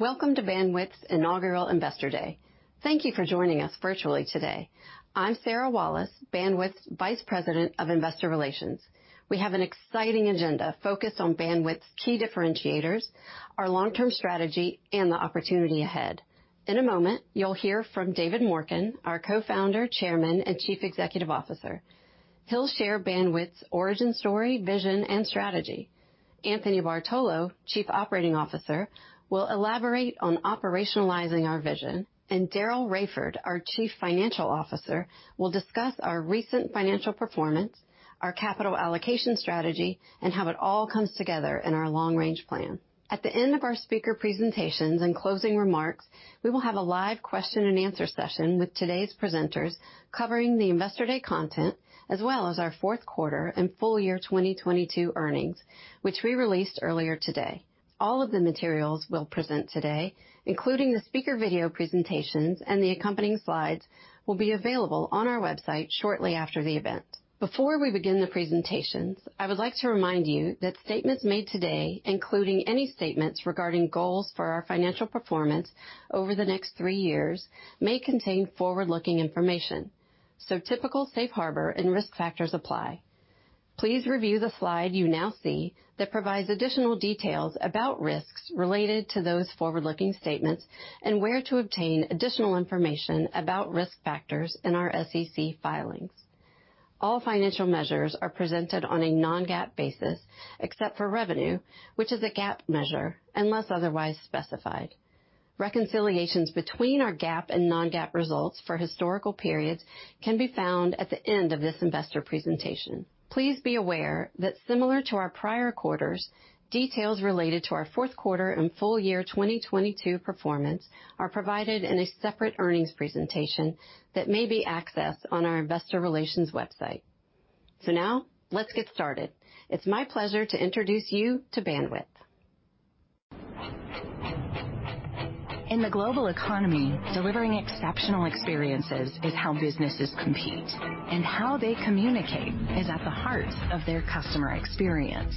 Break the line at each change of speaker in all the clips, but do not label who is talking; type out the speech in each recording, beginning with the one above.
Welcome to Bandwidth's Inaugural Investor Day. Thank you for joining us virtually today. I'm Sarah Wallace, Bandwidth's Vice President of Investor Relations. We have an exciting agenda focused on Bandwidth's key differentiators, our long-term strategy, and the opportunity ahead. In a moment, you'll hear from David Morken, our Co-founder, Chairman, and Chief Executive Officer. He'll share Bandwidth's origin story, vision, and strategy. Anthony Bartolo, Chief Operating Officer, will elaborate on operationalizing our vision, and Daryl Raiford, our Chief Financial Officer, will discuss our recent financial performance, our capital allocation strategy, and how it all comes together in our long-range plan. At the end of our speaker presentations and closing remarks, we will have a live question and answer session with today's presenters covering the Investor Day content, as well as our Q4 and full year 2022 earnings, which we released earlier today. All of the materials we'll present today, including the speaker video presentations and the accompanying slides, will be available on our website shortly after the event. Before we begin the presentations, I would like to remind you that statements made today, including any statements regarding goals for our financial performance over the next three years, may contain forward-looking information, so typical safe harbor and risk factors apply. Please review the slide you now see that provides additional details about risks related to those forward-looking statements and where to obtain additional information about risk factors in our SEC filings. All financial measures are presented on a non-GAAP basis, except for revenue, which is a GAAP measure unless otherwise specified. Reconciliations between our GAAP and non-GAAP results for historical periods can be found at the end of this investor presentation. Please be aware that similar to our prior quarters, details related to our Q4 and full year 2022 performance are provided in a separate earnings presentation that may be accessed on our investor relations website. Now let's get started. It's my pleasure to introduce you to Bandwidth.
In the global economy, delivering exceptional experiences is how businesses compete. How they communicate is at the heart of their customer experience.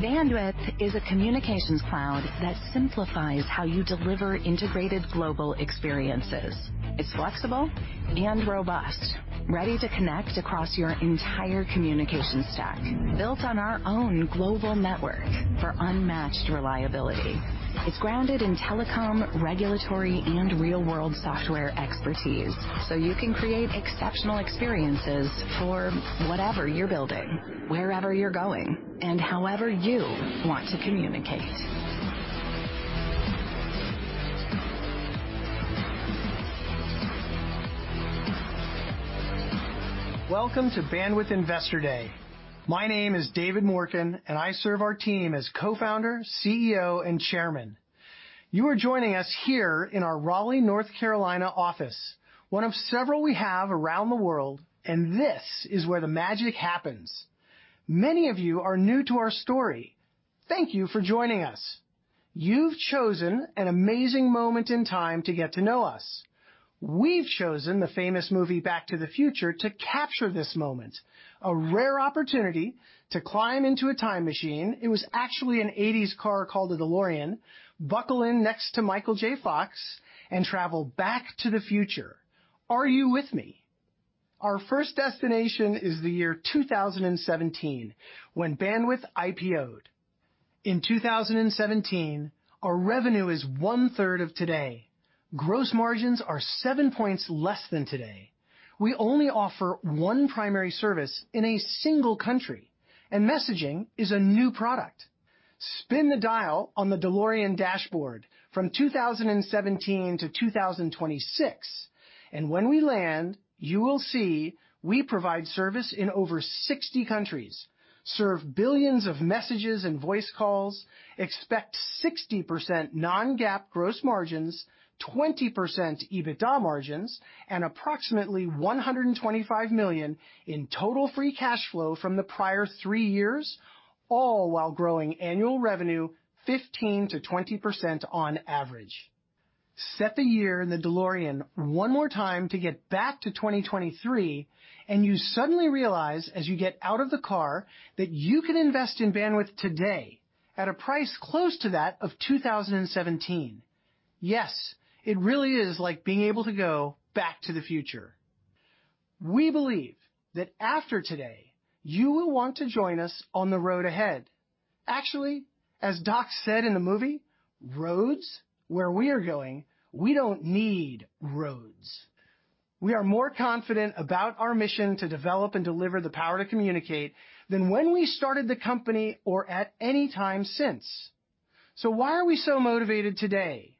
Bandwidth is a communications cloud that simplifies how you deliver integrated global experiences. It's flexible and robust, ready to connect across your entire communications stack. Built on our own global network for unmatched reliability. It's grounded in telecom, regulatory, and real-world software expertise, so you can create exceptional experiences for whatever you're building, wherever you're going, and however you want to communicate.
Welcome to Bandwidth Investor Day. My name is David Morken, and I serve our team as co-founder, CEO, and Chairman. You are joining us here in our Raleigh, North Carolina office, one of several we have around the world, and this is where the magic happens. Many of you are new to our story. Thank you for joining us. You've chosen an amazing moment in time to get to know us. We've chosen the famous movie Back to the Future to capture this moment. A rare opportunity to climb into a time machine. It was actually an 80s car called a DeLorean. Buckle in next to Michael J. Fox and travel back to the future. Are you with me? Our first destination is the year 2017, when Bandwidth IPO'd. In 2017, our revenue is one third of today. Gross margins are seven points less than today. We only offer one primary service in a single country, and messaging is a new product. Spin the dial on the DeLorean dashboard from 2017 to 2026. When we land, you will see we provide service in over 60 countries, serve billions of messages and voice calls, expect 60% non-GAAP gross margins, 20% EBITDA margins, and approximately $125 million in total free cash flow from the prior three years, all while growing annual revenue 15%-20% on average. Set the year in the DeLorean one more time to get back to 2023. You suddenly realize, as you get out of the car, that you can invest in Bandwidth today at a price close to that of 2017. Yes, it really is like being able to go Back to the Future. We believe that after today, you will want to join us on the road ahead. Actually, as Doc said in the movie, "Roads? Where we are going, we don't need roads." We are more confident about our mission to develop and deliver the power to communicate than when we started the company or at any time since. Why are we so motivated today?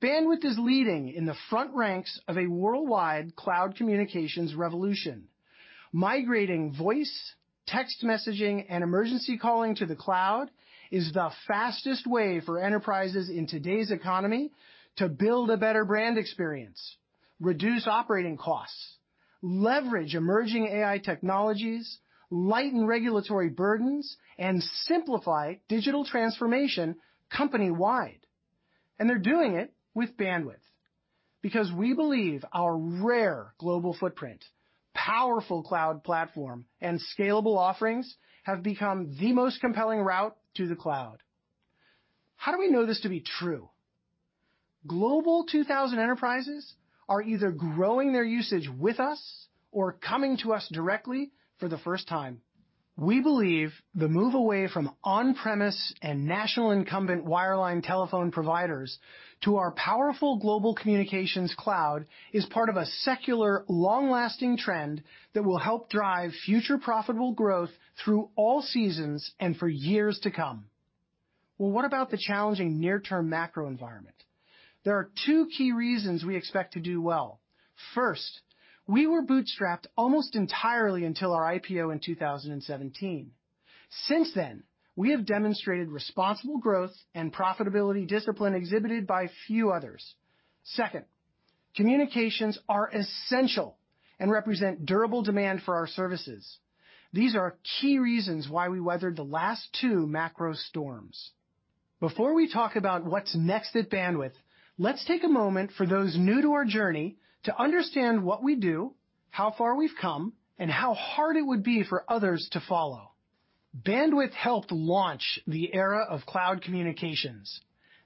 Bandwidth is leading in the front ranks of a worldwide cloud communications revolution. Migrating voice, text messaging, and emergency calling to the cloud is the fastest way for enterprises in today's economy to build a better brand experience, reduce operating costs, leverage emerging AI technologies, lighten regulatory burdens, and simplify digital transformation companywide. They're doing it with Bandwidth. Because we believe our rare global footprint, powerful cloud platform, and scalable offerings have become the most compelling route to the cloud. How do we know this to be true? Global 2000 enterprises are either growing their usage with us or coming to us directly for the first time. We believe the move away from on-premise and national incumbent wireline telephone providers to our powerful global communications cloud is part of a secular, long-lasting trend that will help drive future profitable growth through all seasons and for years to come. Well, what about the challenging near-term macro environment? There are two key reasons we expect to do well. First, we were bootstrapped almost entirely until our IPO in 2017. Since then, we have demonstrated responsible growth and profitability discipline exhibited by few others. Second, communications are essential and represent durable demand for our services. These are key reasons why we weathered the last two macro storms. Before we talk about what's next at Bandwidth, let's take a moment for those new to our journey to understand what we do, how far we've come, and how hard it would be for others to follow. Bandwidth helped launch the era of cloud communications.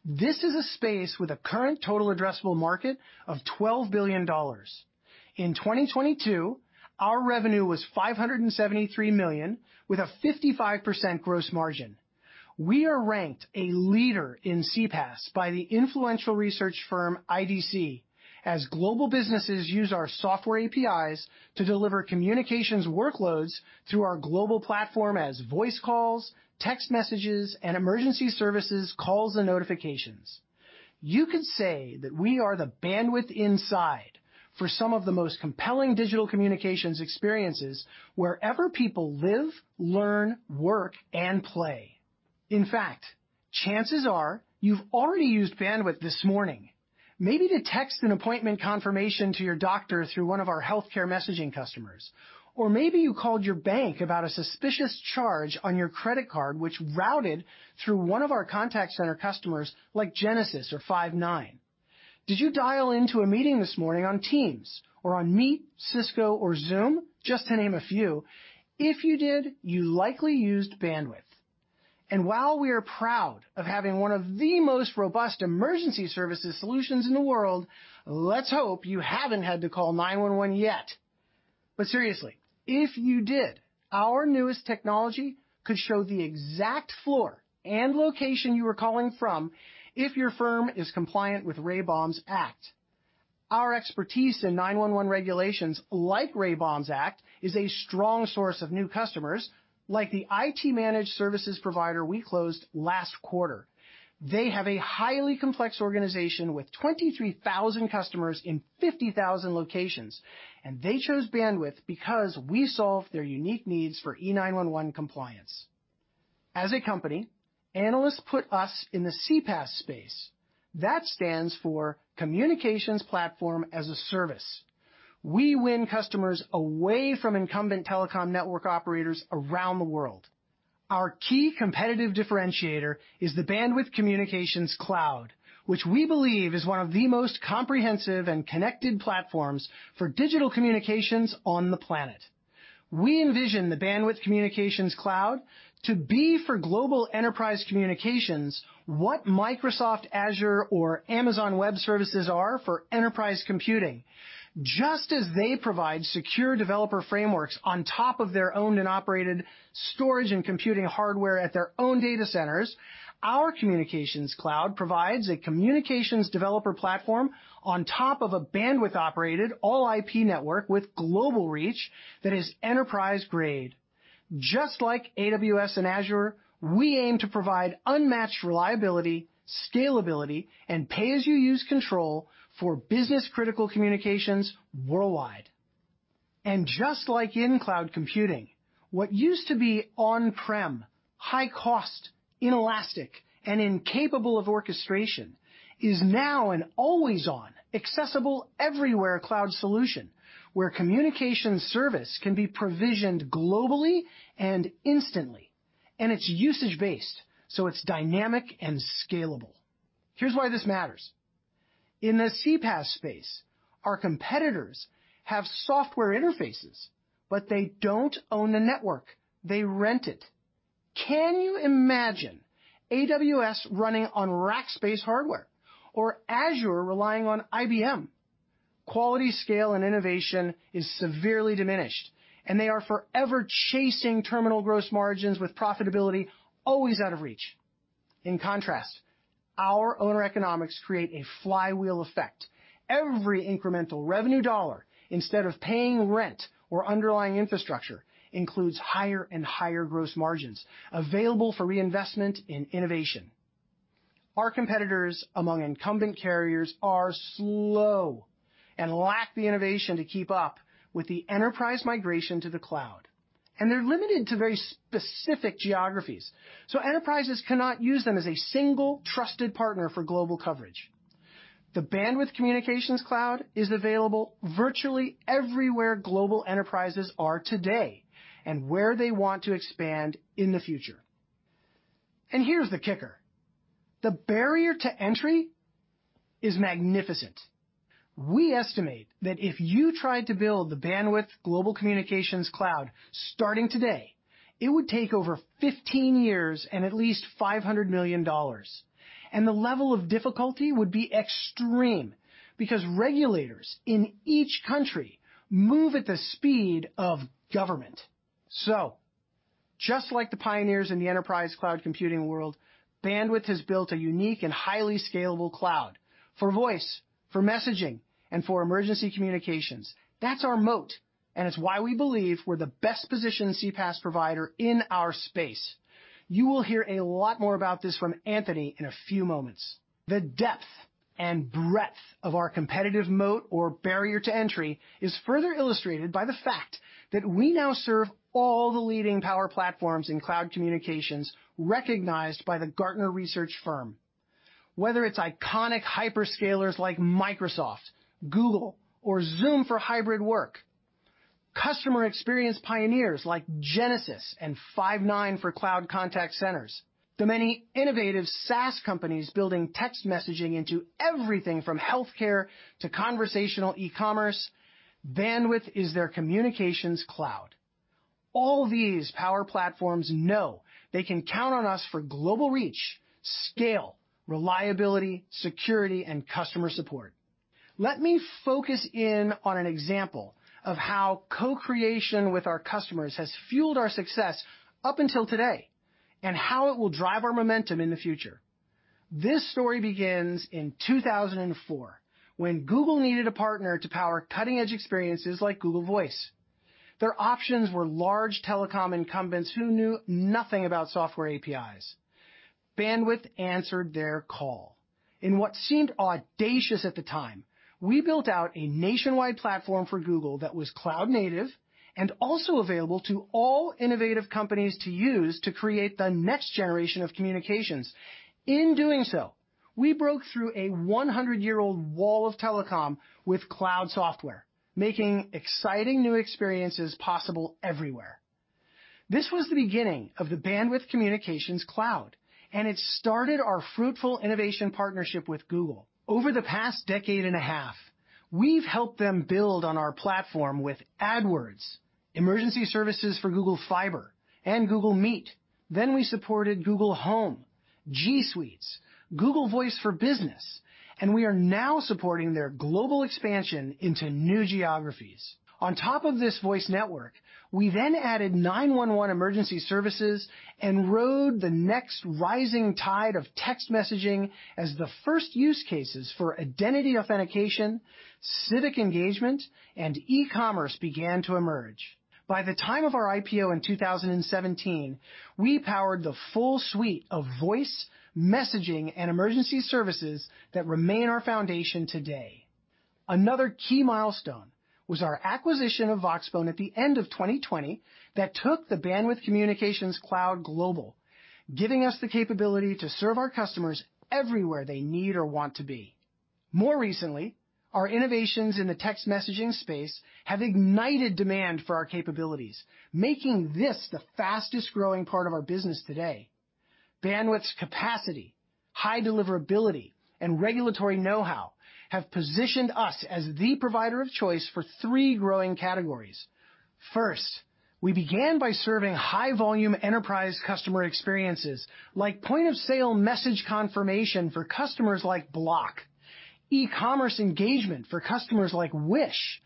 This is a space with a current total addressable market of $12 billion. In 2022, our revenue was $573 million with a 55% gross margin. We are ranked a leader in CPaaS by the influential research firm IDC, as global businesses use our software APIs to deliver communications workloads through our global platform as voice calls, text messages, and emergency services calls and notifications. You could say that we are the Bandwidth inside for some of the most compelling digital communications experiences wherever people live, learn, work, and play. In fact, chances are you've already used Bandwidth this morning, maybe to text an appointment confirmation to your doctor through one of our healthcare messaging customers. Maybe you called your bank about a suspicious charge on your credit card, which routed through one of our contact center customers like Genesys or Five9. Did you dial into a meeting this morning on Teams or on Meet, Cisco, or Zoom, just to name a few? If you did, you likely used Bandwidth. While we are proud of having one of the most robust emergency services solutions in the world, let's hope you haven't had to call 911 yet. Seriously, if you did, our newest technology could show the exact floor and location you were calling from if your firm is compliant with RAY BAUM'S Act. Our expertise in 911 regulations like RAY BAUM'S Act is a strong source of new customers, like the IT managed services provider we closed last quarter. They have a highly complex organization with 23,000 customers in 50,000 locations, and they chose Bandwidth because we solve their unique needs for E911 compliance. As a company, analysts put us in the CPaaS space. That stands for Communications Platform as a Service. We win customers away from incumbent telecom network operators around the world. Our key competitive differentiator is the Bandwidth Communications Cloud, which we believe is one of the most comprehensive and connected platforms for digital communications on the planet. We envision the Bandwidth Communications Cloud to be for global enterprise communications, what Microsoft Azure or Amazon Web Services are for enterprise computing. Just as they provide secure developer frameworks on top of their owned and operated storage and computing hardware at their own data centers, our Communications Cloud provides a communications developer platform on top of a Bandwidth-operated all IP network with global reach that is enterprise grade. Just like AWS and Azure, we aim to provide unmatched reliability, scalability, and pay-as-you-use control for business-critical communications worldwide. Just like in cloud computing, what used to be on-prem, high cost, inelastic, and incapable of orchestration is now an always-on, accessible everywhere cloud solution where communication service can be provisioned globally and instantly, and it's usage-based, so it's dynamic and scalable. Here's why this matters. In the CPaaS space, our competitors have software interfaces, but they don't own the network. They rent it. Can you imagine AWS running on Rackspace hardware or Azure relying on IBM? Quality, scale, and innovation is severely diminished, and they are forever chasing terminal gross margins with profitability always out of reach. In contrast, our owner economics create a flywheel effect. Every incremental revenue dollar, instead of paying rent or underlying infrastructure, includes higher and higher gross margins available for reinvestment in innovation. Our competitors among incumbent carriers are slow and lack the innovation to keep up with the enterprise migration to the cloud, and they're limited to very specific geographies, so enterprises cannot use them as a single trusted partner for global coverage. The Bandwidth Communications Cloud is available virtually everywhere global enterprises are today and where they want to expand in the future. Here's the kicker. The barrier to entry is magnificent. We estimate that if you tried to build the Bandwidth Global Communications Cloud starting today, it would take over 15 years and at least $500 million. The level of difficulty would be extreme because regulators in each country move at the speed of government. Just like the pioneers in the enterprise cloud computing world, Bandwidth has built a unique and highly scalable cloud for voice, for messaging, and for emergency communications. That's our moat, and it's why we believe we're the best-positioned CPaaS provider in our space. You will hear a lot more about this from Anthony in a few moments. The depth and breadth of our competitive moat or barrier to entry is further illustrated by the fact that we now serve all the leading power platforms in cloud communications recognized by the Gartner research firm. Whether it's iconic hyperscalers like Microsoft, Google, or Zoom for hybrid work, customer experience pioneers like Genesys and Five9 for cloud contact centers, the many innovative SaaS companies building text messaging into everything from healthcare to conversational e-commerce, Bandwidth is their communications cloud. All these power platforms know they can count on us for global reach, scale, reliability, security, and customer support. Let me focus in on an example of how co-creation with our customers has fueled our success up until today and how it will drive our momentum in the future. This story begins in 2004 when Google needed a partner to power cutting-edge experiences like Google Voice. Their options were large telecom incumbents who knew nothing about software APIs. Bandwidth answered their call. In what seemed audacious at the time, we built out a nationwide platform for Google that was cloud native and also available to all innovative companies to use to create the next generation of communications. In doing so, we broke through a 100-year-old wall of telecom with cloud software, making exciting new experiences possible everywhere. This was the beginning of the Bandwidth Communications Cloud. It started our fruitful innovation partnership with Google. Over the past decade and a half, we've helped them build on our platform with AdWords, emergency services for Google Fiber, and Google Meet. We supported Google Home, G Suite, Google Voice for Business, and we are now supporting their global expansion into new geographies. On top of this voice network, we then added 911 emergency services and rode the next rising tide of text messaging as the first use cases for identity authentication, civic engagement, and e-commerce began to emerge. By the time of our IPO in 2017, we powered the full suite of voice, messaging, and emergency services that remain our foundation today. Another key milestone was our acquisition of Voxbone at the end of 2020 that took the Bandwidth Communications Cloud global, giving us the capability to serve our customers everywhere they need or want to be. More recently, our innovations in the text messaging space have ignited demand for our capabilities, making this the fastest-growing part of our business today. Bandwidth's capacity, high deliverability, and regulatory know-how have positioned us as the provider of choice for three growing categories. First, we began by serving high volume enterprise customer experiences like point-of-sale message confirmation for customers like Block, e-commerce engagement for customers like Wish,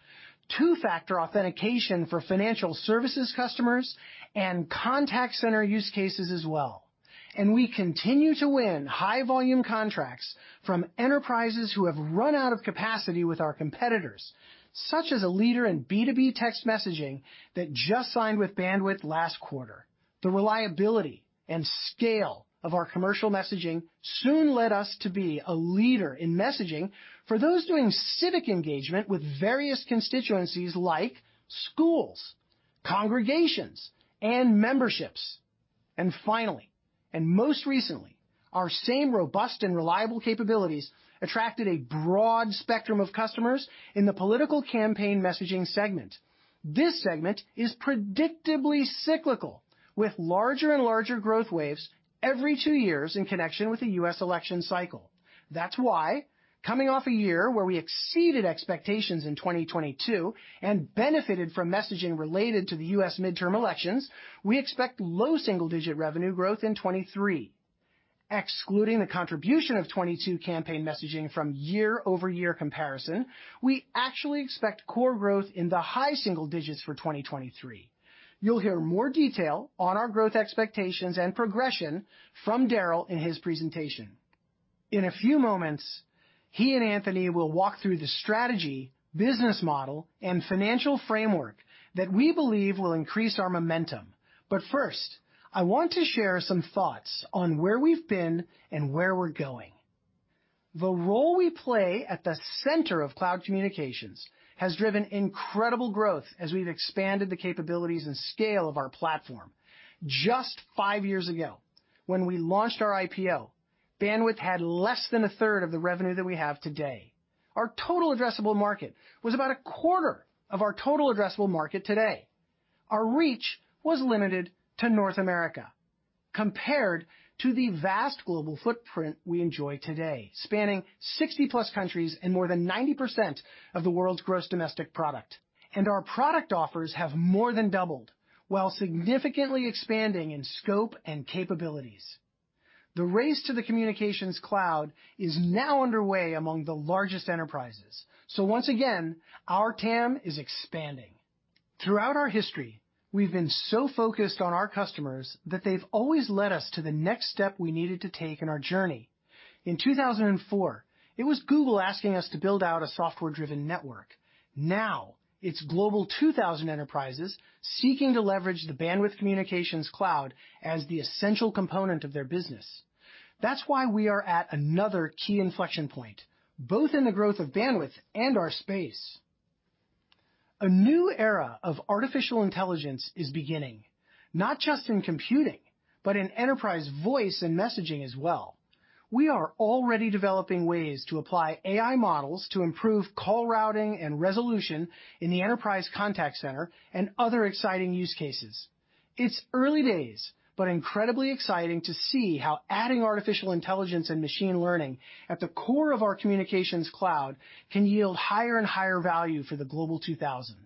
2-factor authentication for financial services customers, and contact center use cases as well. We continue to win high volume contracts from enterprises who have run out of capacity with our competitors, such as a leader in B2B text messaging that just signed with Bandwidth last quarter. The reliability and scale of our commercial messaging soon led us to be a leader in messaging for those doing civic engagement with various constituencies like schools, congregations, and memberships. Finally, and most recently, our same robust and reliable capabilities attracted a broad spectrum of customers in the political campaign messaging segment. This segment is predictably cyclical, with larger and larger growth waves every two years in connection with the U.S. election cycle. That's why coming off a year where we exceeded expectations in 2022 and benefited from messaging related to the U.S. midterm elections, we expect low single-digit revenue growth in 2023. Excluding the contribution of 22 campaign messaging from year-over-year comparison, we actually expect core growth in the high single digits for 2023. You'll hear more detail on our growth expectations and progression from Daryl Raiford in his presentation. In a few moments, he and Anthony Bartolo will walk through the strategy, business model, and financial framework that we believe will increase our momentum. First, I want to share some thoughts on where we've been and where we're going. The role we play at the center of cloud communications has driven incredible growth as we've expanded the capabilities and scale of our platform. Just five years ago, when we launched our IPO Bandwidth had less than a third of the revenue that we have today. Our total addressable market was about a quarter of our total addressable market today. Our reach was limited to North America compared to the vast global footprint we enjoy today, spanning 60+ countries and more than 90% of the world's gross domestic product. Our product offers have more than doubled while significantly expanding in scope and capabilities. Once again, our TAM is expanding. Throughout our history, we've been so focused on our customers that they've always led us to the next step we needed to take in our journey. In 2004, it was Google asking us to build out a software-driven network. Now, it's Global 2000 enterprises seeking to leverage the Bandwidth Communications Cloud as the essential component of their business. That's why we are at another key inflection point, both in the growth of Bandwidth and our space. A new era of Artificial Intelligence is beginning, not just in computing, but in enterprise voice and messaging as well. We are already developing ways to apply AI models to improve call routing and resolution in the enterprise contact center and other exciting use cases. It's early days, but incredibly exciting to see how adding artificial intelligence and machine learning at the core of our communications cloud can yield higher and higher value for the Global 2000.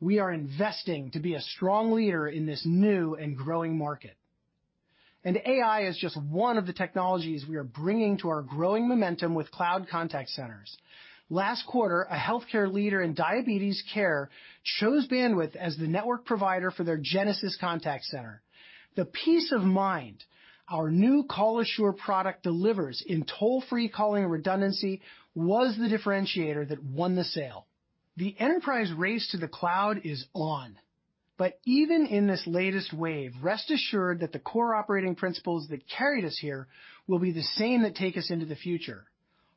We are investing to be a strong leader in this new and growing market. AI is just one of the technologies we are bringing to our growing momentum with cloud contact centers. Last quarter, a healthcare leader in diabetes care chose Bandwidth as the network provider for their Genesys contact center. The peace of mind our new Call Assure product delivers in toll-free calling redundancy was the differentiator that won the sale. The enterprise race to the cloud is on. Even in this latest wave, rest assured that the core operating principles that carried us here will be the same that take us into the future.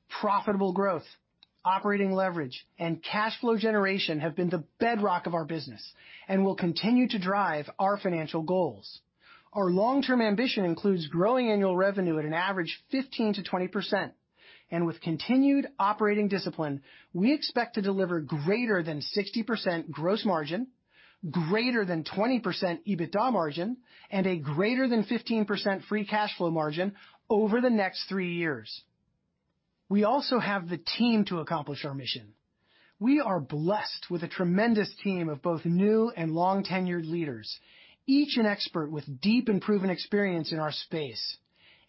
Profitable growth, operating leverage, and cash flow generation have been the bedrock of our business and will continue to drive our financial goals. Our long-term ambition includes growing annual revenue at an average 15%-20%. With continued operating discipline, we expect to deliver greater than 60% gross margin, greater than 20% EBITDA margin, and a greater than 15% free cash flow margin over the next three years. We also have the team to accomplish our mission. We are blessed with a tremendous team of both new and long-tenured leaders, each an expert with deep and proven experience in our space.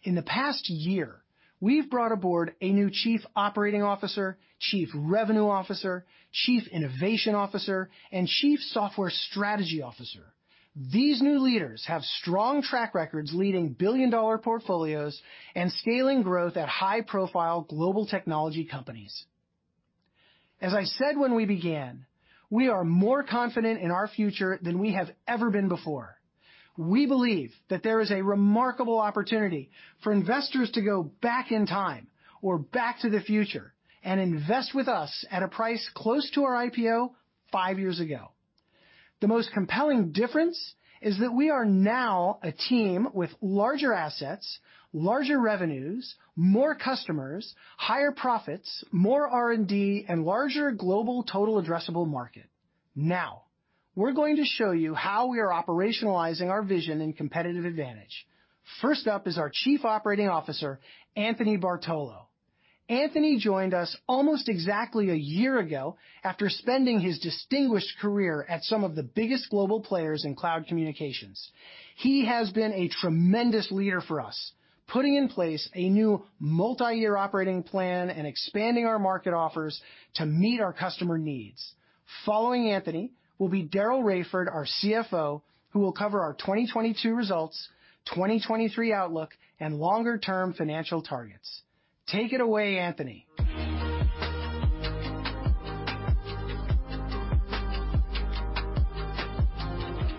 In the past year, we've brought aboard a new Chief Operating Officer, Chief Revenue Officer, Chief Innovation Officer, and Chief Software Strategy Officer. These new leaders have strong track records leading billion-dollar portfolios and scaling growth at high-profile global technology companies. As I said when we began, we are more confident in our future than we have ever been before. We believe that there is a remarkable opportunity for investors to go back in time or Back to the Future and invest with us at a price close to our IPO five years ago. The most compelling difference is that we are now a team with larger assets, larger revenues, more customers, higher profits, more R&D, and larger global total addressable market. Now, we're going to show you how we are operationalizing our vision and competitive advantage. First up is our Chief Operating Officer, Anthony Bartolo. Anthony joined us almost exactly a year ago after spending his distinguished career at some of the biggest global players in cloud communications. He has been a tremendous leader for us, putting in place a new multi-year operating plan and expanding our market offers to meet our customer needs. Following Anthony will be Daryl Raiford, our CFO, who will cover our 2022 results, 2023 outlook, and longer-term financial targets. Take it away, Anthony.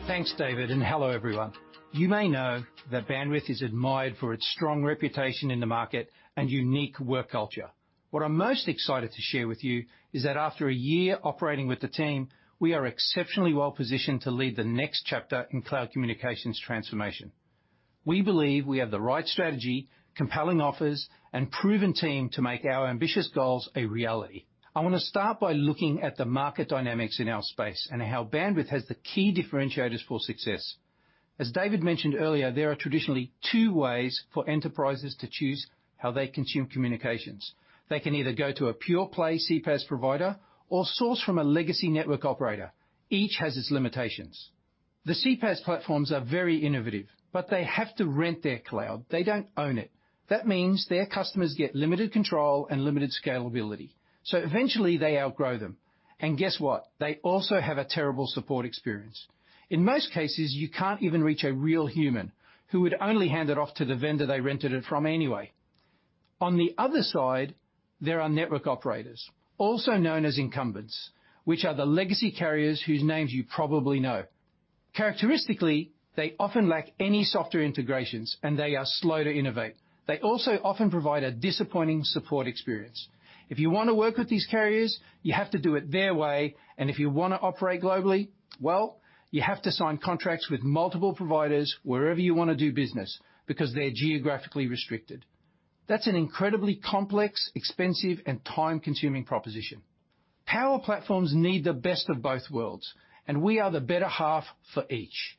Thanks, David. Hello, everyone. You may know that Bandwidth is admired for its strong reputation in the market and unique work culture. What I'm most excited to share with you is that after a year operating with the team, we are exceptionally well positioned to lead the next chapter in cloud communications transformation. We believe we have the right strategy, compelling offers, and proven team to make our ambitious goals a reality. I want to start by looking at the market dynamics in our space and how Bandwidth has the key differentiators for success. As David mentioned earlier, there are traditionally two ways for enterprises to choose how they consume communications. They can either go to a pure-play CPaaS provider or source from a legacy network operator. Each has its limitations. The CPaaS platforms are very innovative. They have to rent their cloud. They don't own it. That means their customers get limited control and limited scalability, so eventually they outgrow them. Guess what? They also have a terrible support experience. In most cases, you can't even reach a real human who would only hand it off to the vendor they rented it from anyway. On the other side, there are network operators, also known as incumbents, which are the legacy carriers whose names you probably know. Characteristically, they often lack any software integrations, and they are slow to innovate. They also often provide a disappointing support experience. If you want to work with these carriers, you have to do it their way. If you want to operate globally, well, you have to sign contracts with multiple providers wherever you want to do business because they're geographically restricted. That's an incredibly complex, expensive, and time-consuming proposition. Power platforms need the best of both worlds, and we are the better half for each.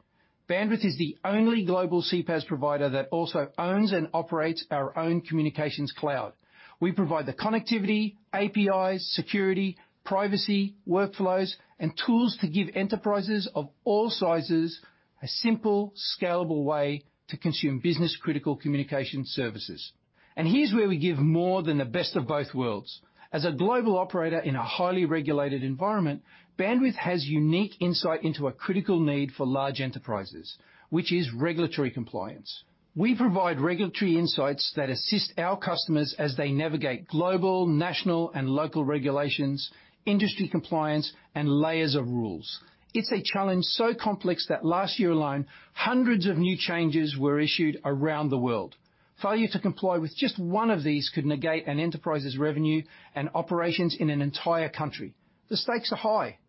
Bandwidth is the only global CPaaS provider that also owns and operates our own communications cloud. We provide the connectivity, APIs, security, privacy, workflows, and tools to give enterprises of all sizes a simple, scalable way to consume business-critical communication services. Here's where we give more than the best of both worlds. As a global operator in a highly regulated environment, Bandwidth has unique insight into a critical need for large enterprises, which is regulatory compliance. We provide regulatory insights that assist our customers as they navigate global, national, and local regulations, industry compliance, and layers of rules. It's a challenge so complex that last year alone, hundreds of new changes were issued around the world. Failure to comply with just one of these could negate an enterprise's revenue and operations in an entire country. The stakes are high.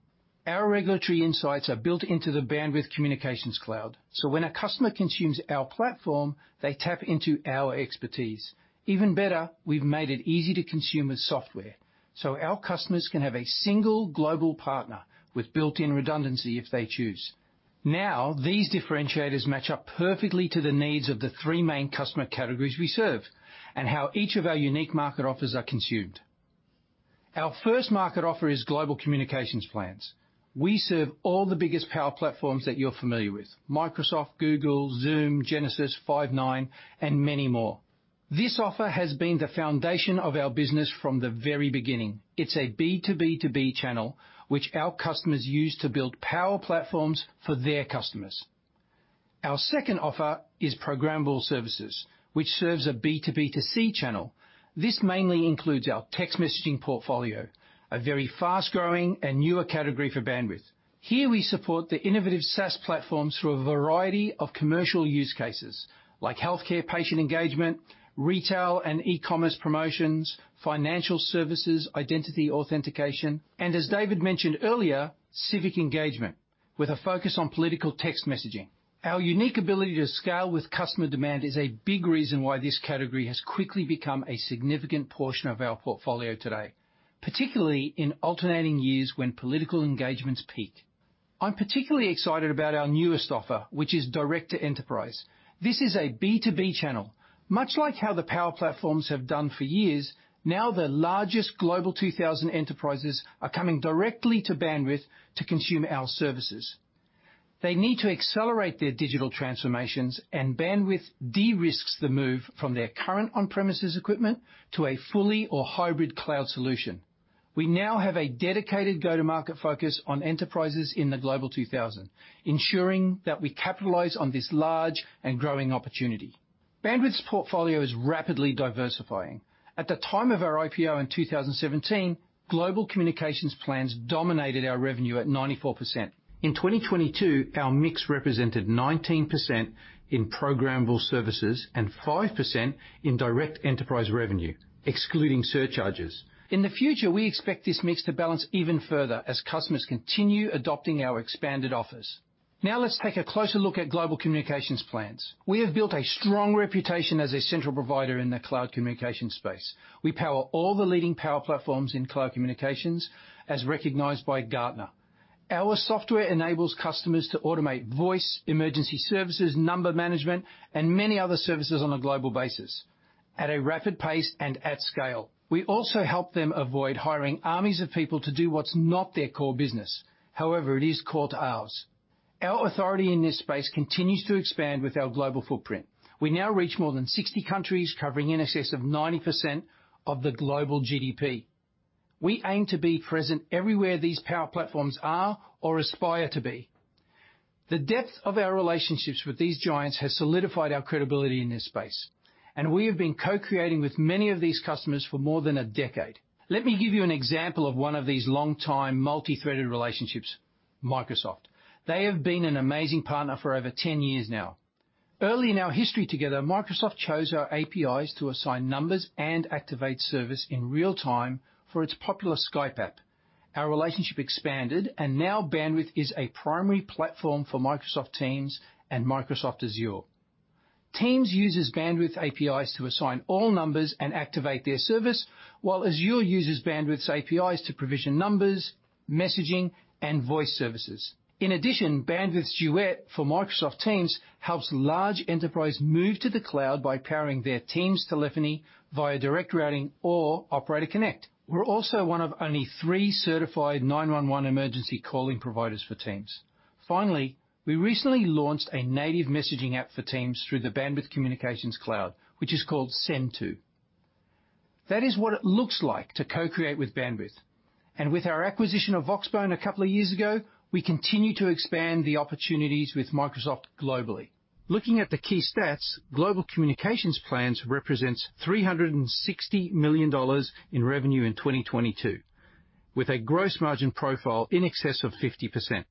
Our regulatory insights are built into the Bandwidth Communications Cloud, so when a customer consumes our platform, they tap into our expertise. Even better, we've made it easy to consume with software, so our customers can have a single global partner with built-in redundancy if they choose. Now, these differentiators match up perfectly to the needs of the three main customer categories we serve and how each of our unique market offers are consumed. Our first market offer is global communications plans. We serve all the biggest power platforms that you're familiar with, Microsoft, Google, Zoom, Genesys, Five9, and many more. This offer has been the foundation of our business from the very beginning. It's a B2B2B channel, which our customers use to build power platforms for their customers. Our second offer is programmable services, which serves a B2B2C channel. This mainly includes our text messaging portfolio, a very fast-growing and newer category for Bandwidth. Here, we support the innovative SaaS platforms through a variety of commercial use cases like healthcare, patient engagement, retail and e-commerce promotions, financial services, identity authentication, and as David mentioned earlier, civic engagement, with a focus on political text messaging. Our unique ability to scale with customer demand is a big reason why this category has quickly become a significant portion of our portfolio today, particularly in alternating years when political engagements peak. I'm particularly excited about our newest offer, which is direct to enterprise. This is a B2B channel, much like how the power platforms have done for years. The largest Global 2000 enterprises are coming directly to Bandwidth to consume our services. They need to accelerate their digital transformations, Bandwidth de-risks the move from their current on-premises equipment to a fully or hybrid cloud solution. We now have a dedicated go-to-market focus on enterprises in the Global 2000, ensuring that we capitalize on this large and growing opportunity. Bandwidth's portfolio is rapidly diversifying. At the time of our IPO in 2017, global communications plans dominated our revenue at 94%. In 2022, our mix represented 19% in programmable services and 5% in direct enterprise revenue, excluding surcharges. In the future, we expect this mix to balance even further as customers continue adopting our expanded offers. Now let's take a closer look at global communications plans. We have built a strong reputation as a central provider in the cloud communication space. We power all the leading power platforms in cloud communications, as recognized by Gartner. Our software enables customers to automate voice, emergency services, number management, and many other services on a global basis at a rapid pace and at scale. We also help them avoid hiring armies of people to do what's not their core business. However, it is core to ours. Our authority in this space continues to expand with our global footprint. We now reach more than 60 countries, covering in excess of 90% of the global GDP. We aim to be present everywhere these power platforms are or aspire to be. The depth of our relationships with these giants has solidified our credibility in this space, and we have been co-creating with many of these customers for more than a decade. Let me give you an example of one of these long-time multi-threaded relationships, Microsoft. They have been an amazing partner for over 10 years now. Early in our history together, Microsoft chose our APIs to assign numbers and activate service in real time for its popular Skype app. Our relationship expanded and now Bandwidth is a primary platform for Microsoft Teams and Microsoft Azure. Teams uses Bandwidth APIs to assign all numbers and activate their service, while Azure uses Bandwidth's APIs to provision numbers, messaging, and voice services. In addition, Bandwidth's Duet for Microsoft Teams helps large enterprise move to the cloud by powering their Teams telephony via direct routing or Operator Connect. We're also one of only three certified 911 emergency calling providers for Teams. Finally, we recently launched a native messaging app for Teams through the Bandwidth Communications Cloud, which is called Send-To. That is what it looks like to co-create with Bandwidth. With our acquisition of Voxbone a couple of years ago, we continue to expand the opportunities with Microsoft globally. Looking at the key stats, global communications plans represents $360 million in revenue in 2022, with a gross margin profile in excess of 50%.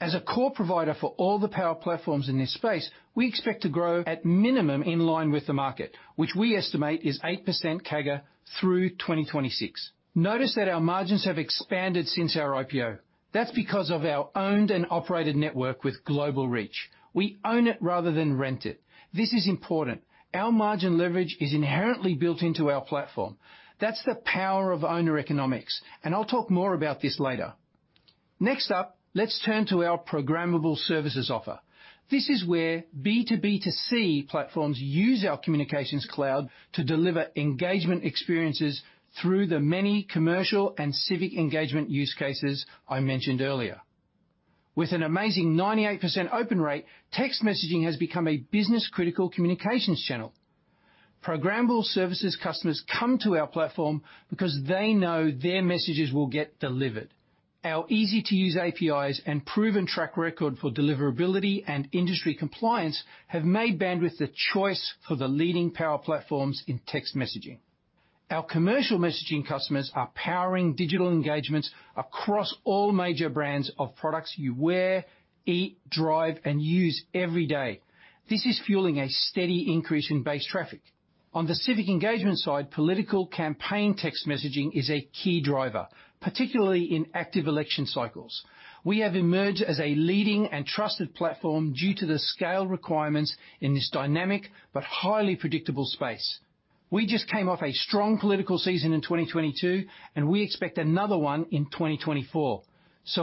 As a core provider for all the power platforms in this space, we expect to grow at minimum in line with the market, which we estimate is 8% CAGR through 2026. Notice that our margins have expanded since our IPO. That's because of our owned and operated network with global reach. We own it rather than rent it. This is important. Our margin leverage is inherently built into our platform. That's the power of owner economics, and I'll talk more about this later. Next up, let's turn to our programmable services offer. This is where B2B2C platforms use our communications cloud to deliver engagement experiences through the many commercial and civic engagement use cases I mentioned earlier. With an amazing 98% open rate, text messaging has become a business-critical communications channel. Programmable services customers come to our platform because they know their messages will get delivered. Our easy-to-use APIs and proven track record for deliverability and industry compliance have made Bandwidth the choice for the leading power platforms in text messaging. Our commercial messaging customers are powering digital engagements across all major brands of products you wear, eat, drive, and use every day. This is fueling a steady increase in base traffic. On the civic engagement side, political campaign text messaging is a key driver, particularly in active election cycles. We have emerged as a leading and trusted platform due to the scale requirements in this dynamic but highly predictable space. We just came off a strong political season in 2022, and we expect another one in 2024.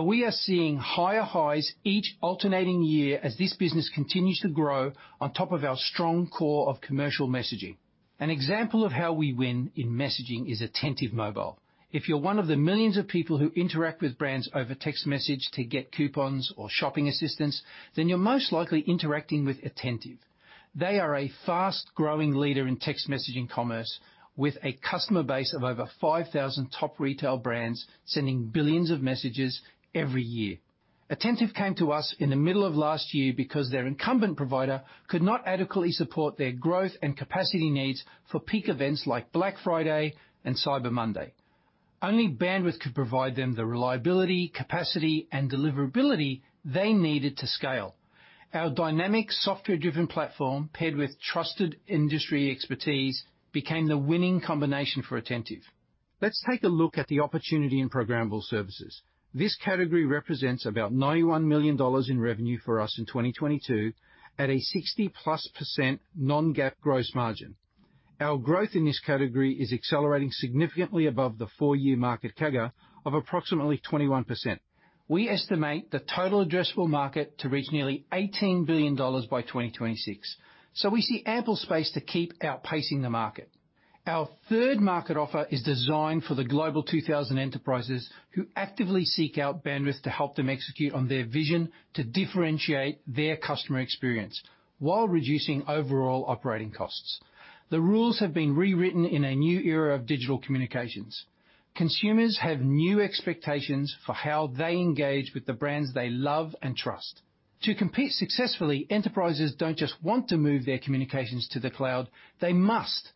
We are seeing higher highs each alternating year as this business continues to grow on top of our strong core of commercial messaging. An example of how we win in messaging is Attentive Mobile. If you're one of the millions of people who interact with brands over text message to get coupons or shopping assistance, then you're most likely interacting with Attentive. They are a fast-growing leader in text messaging commerce with a customer base of over 5,000 top retail brands, sending billions of messages every year. Attentive came to us in the middle of last year because their incumbent provider could not adequately support their growth and capacity needs for peak events like Black Friday and Cyber Monday. Only Bandwidth could provide them the reliability, capacity, and deliverability they needed to scale. Our dynamic software-driven platform, paired with trusted industry expertise, became the winning combination for Attentive. Let's take a look at the opportunity in programmable services. This category represents about $91 million in revenue for us in 2022 at a 60+% non-GAAP gross margin. Our growth in this category is accelerating significantly above the four-year market CAGR of approximately 21%. We estimate the total addressable market to reach nearly $18 billion by 2026, so we see ample space to keep outpacing the market. Our third market offer is designed for the Global 2000 enterprises who actively seek out Bandwidth to help them execute on their vision to differentiate their customer experience while reducing overall operating costs. The rules have been rewritten in a new era of digital communications. Consumers have new expectations for how they engage with the brands they love and trust. To compete successfully, enterprises don't just want to move their communications to the cloud, they must.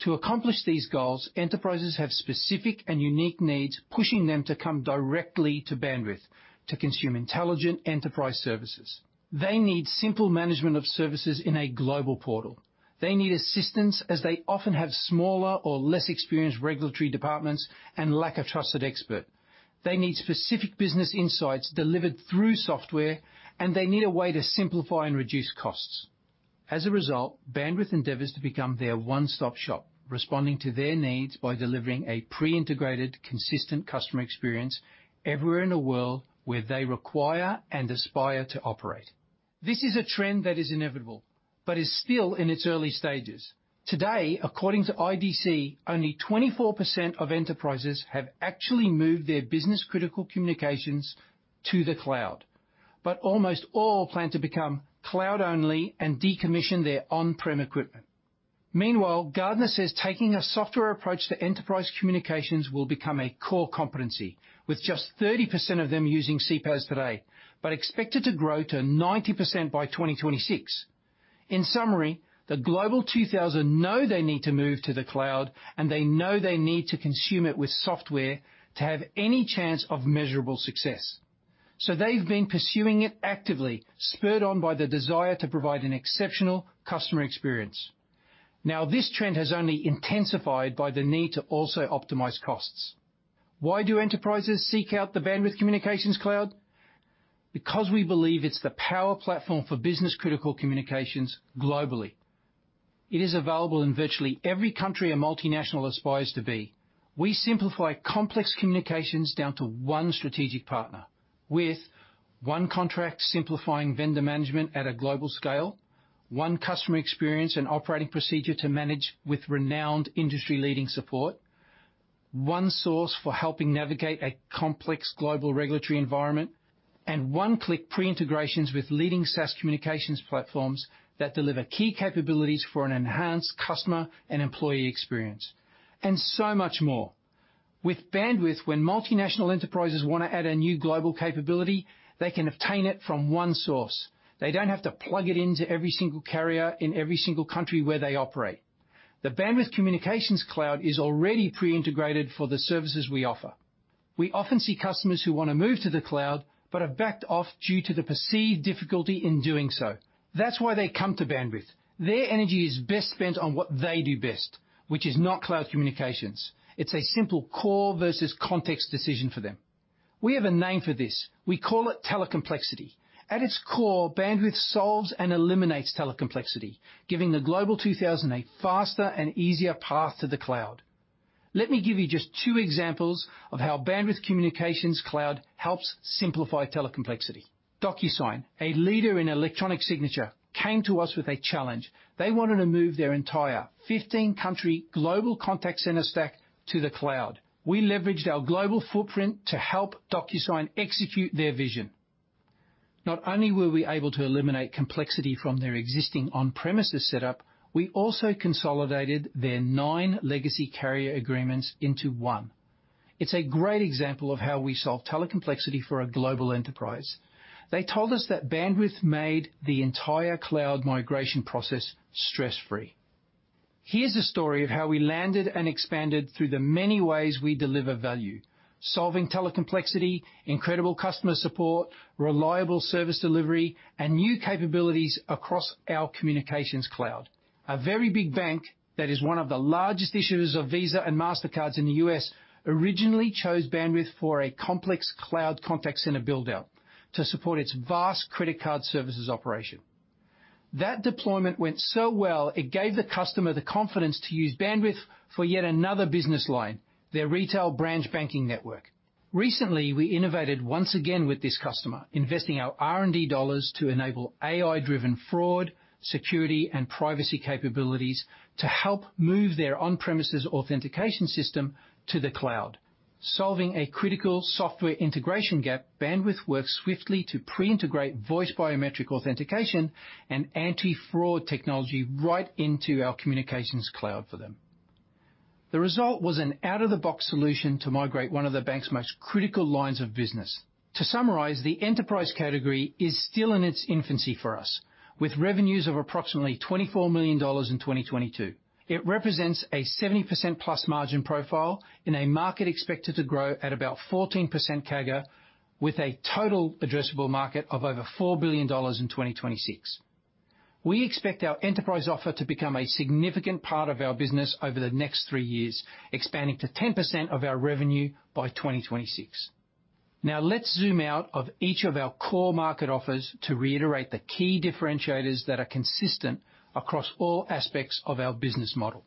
To accomplish these goals, enterprises have specific and unique needs, pushing them to come directly to Bandwidth to consume intelligent enterprise services. They need simple management of services in a global portal. They need assistance as they often have smaller or less experienced regulatory departments and lack a trusted expert. They need specific business insights delivered through software, and they need a way to simplify and reduce costs. Bandwidth endeavors to become their one-stop-shop, responding to their needs by delivering a pre-integrated, consistent customer experience everywhere in the world where they require and aspire to operate. This is a trend that is inevitable but is still in its early stages. Today, according to IDC, only 24% of enterprises have actually moved their business-critical communications to the cloud, but almost all plan to become cloud-only and decommission their on-prem equipment. Gartner says taking a software approach to enterprise communications will become a core competency, with just 30% of them using CPaaS today, but expected to grow to 90% by 2026. In summary, the Global 2000 know they need to move to the cloud, they know they need to consume it with software to have any chance of measurable success. They've been pursuing it actively, spurred on by the desire to provide an exceptional customer experience. This trend has only intensified by the need to also optimize costs. Why do enterprises seek out the Bandwidth Communications Cloud? We believe it's the power platform for business-critical communications globally. It is available in virtually every country a multinational aspires to be. We simplify complex communications down to one strategic partner with one contract simplifying vendor management at a global scale, one customer experience and operating procedure to manage with renowned industry leading support, one source for helping navigate a complex global regulatory environment, and one-click pre-integrations with leading SaaS communications platforms that deliver key capabilities for an enhanced customer and employee experience, and so much more. With Bandwidth, when multinational enterprises wanna add a new global capability, they can obtain it from one source. They don't have to plug it into every single carrier in every single country where they operate. The Bandwidth Communications Cloud is already pre-integrated for the services we offer. We often see customers who wanna move to the cloud but have backed off due to the perceived difficulty in doing so. That's why they come to Bandwidth. Their energy is best spent on what they do best, which is not cloud communications. It's a simple core versus context decision for them. We have a name for this. We call it telecomplexity. At its core, Bandwidth solves and eliminates telecomplexity, giving the Global 2000 a faster and easier path to the cloud. Let me give you just two examples of how Bandwidth Communications Cloud helps simplify telecomplexity. DocuSign, a leader in electronic signature, came to us with a challenge. They wanted to move their entire 15-country global contact center stack to the cloud. We leveraged our global footprint to help DocuSign execute their vision. Not only were we able to eliminate complexity from their existing on-premises setup, we also consolidated their nine legacy carrier agreements into one. It's a great example of how we solve telecomplexity for a global enterprise. They told us that Bandwidth made the entire cloud migration process stress-free. Here's a story of how we landed and expanded through the many ways we deliver value: solving telecomplexity, incredible customer support, reliable service delivery, and new capabilities across our communications cloud. A very big bank that is one of the largest issuers of Visa and Mastercards in the U.S. originally chose Bandwidth for a complex cloud contact center build-out to support its vast credit card services operation. That deployment went so well, it gave the customer the confidence to use Bandwidth for yet another business line, their retail branch banking network. Recently, we innovated once again with this customer, investing our R&D dollars to enable AI-driven fraud, security, and privacy capabilities to help move their on-premises authentication system to the cloud. Solving a critical software integration gap, Bandwidth worked swiftly to pre-integrate voice biometric authentication and anti-fraud technology right into our communications cloud for them. The result was an out-of-the-box solution to migrate one of the bank's most critical lines of business. The enterprise category is still in its infancy for us, with revenues of approximately $24 million in 2022. It represents a 70% plus margin profile in a market expected to grow at about 14% CAGR with a total addressable market of over $4 billion in 2026. We expect our enterprise offer to become a significant part of our business over the next three years, expanding to 10% of our revenue by 2026. Let's zoom out of each of our core market offers to reiterate the key differentiators that are consistent across all aspects of our business model.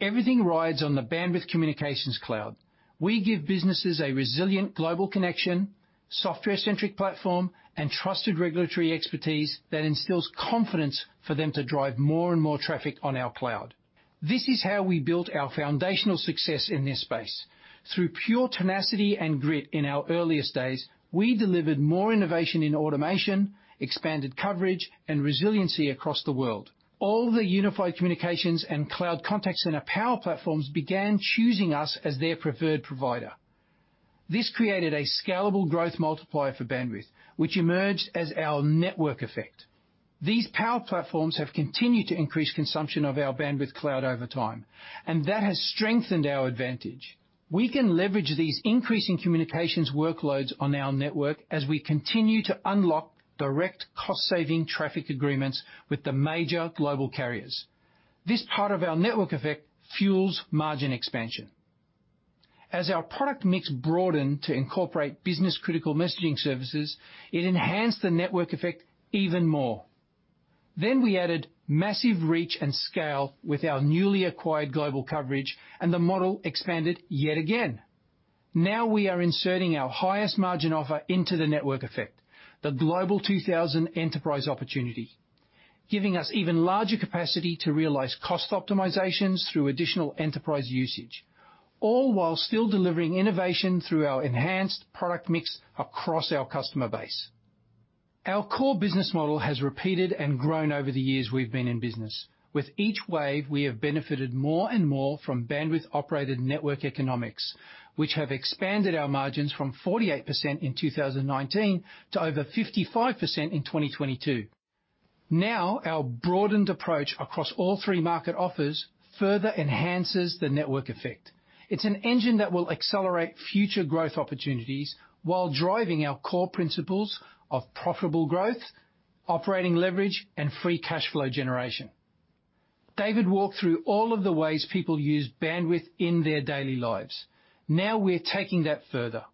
Everything rides on the Bandwidth Communications Cloud. We give businesses a resilient global connection, software-centric platform, and trusted regulatory expertise that instills confidence for them to drive more and more traffic on our cloud. This is how we built our foundational success in this space. Through pure tenacity and grit in our earliest days, we delivered more innovation in automation, expanded coverage, and resiliency across the world. All the unified communications and cloud contacts in our power platforms began choosing us as their preferred provider. This created a scalable growth multiplier for Bandwidth, which emerged as our network effect. These power platforms have continued to increase consumption of our Bandwidth cloud over time, and that has strengthened our advantage. We can leverage these increasing communications workloads on our network as we continue to unlock direct cost-saving traffic agreements with the major global carriers. This part of our network effect fuels margin expansion. As our product mix broadened to incorporate business-critical messaging services, it enhanced the network effect even more. We added massive reach and scale with our newly acquired global coverage, and the model expanded yet again. We are inserting our highest margin offer into the network effect, the Global 2000 enterprise opportunity, giving us even larger capacity to realize cost optimizations through additional enterprise usage, all while still delivering innovation through our enhanced product mix across our customer base. Our core business model has repeated and grown over the years we've been in business. With each wave, we have benefited more and more from Bandwidth-operated network economics, which have expanded our margins from 48% in 2019 to over 55% in 2022. Now, our broadened approach across all three market offers further enhances the network effect. It's an engine that will accelerate future growth opportunities while driving our core principles of profitable growth, operating leverage, and free cash flow generation. David walked through all of the ways people use Bandwidth in their daily lives. Now we're taking that further.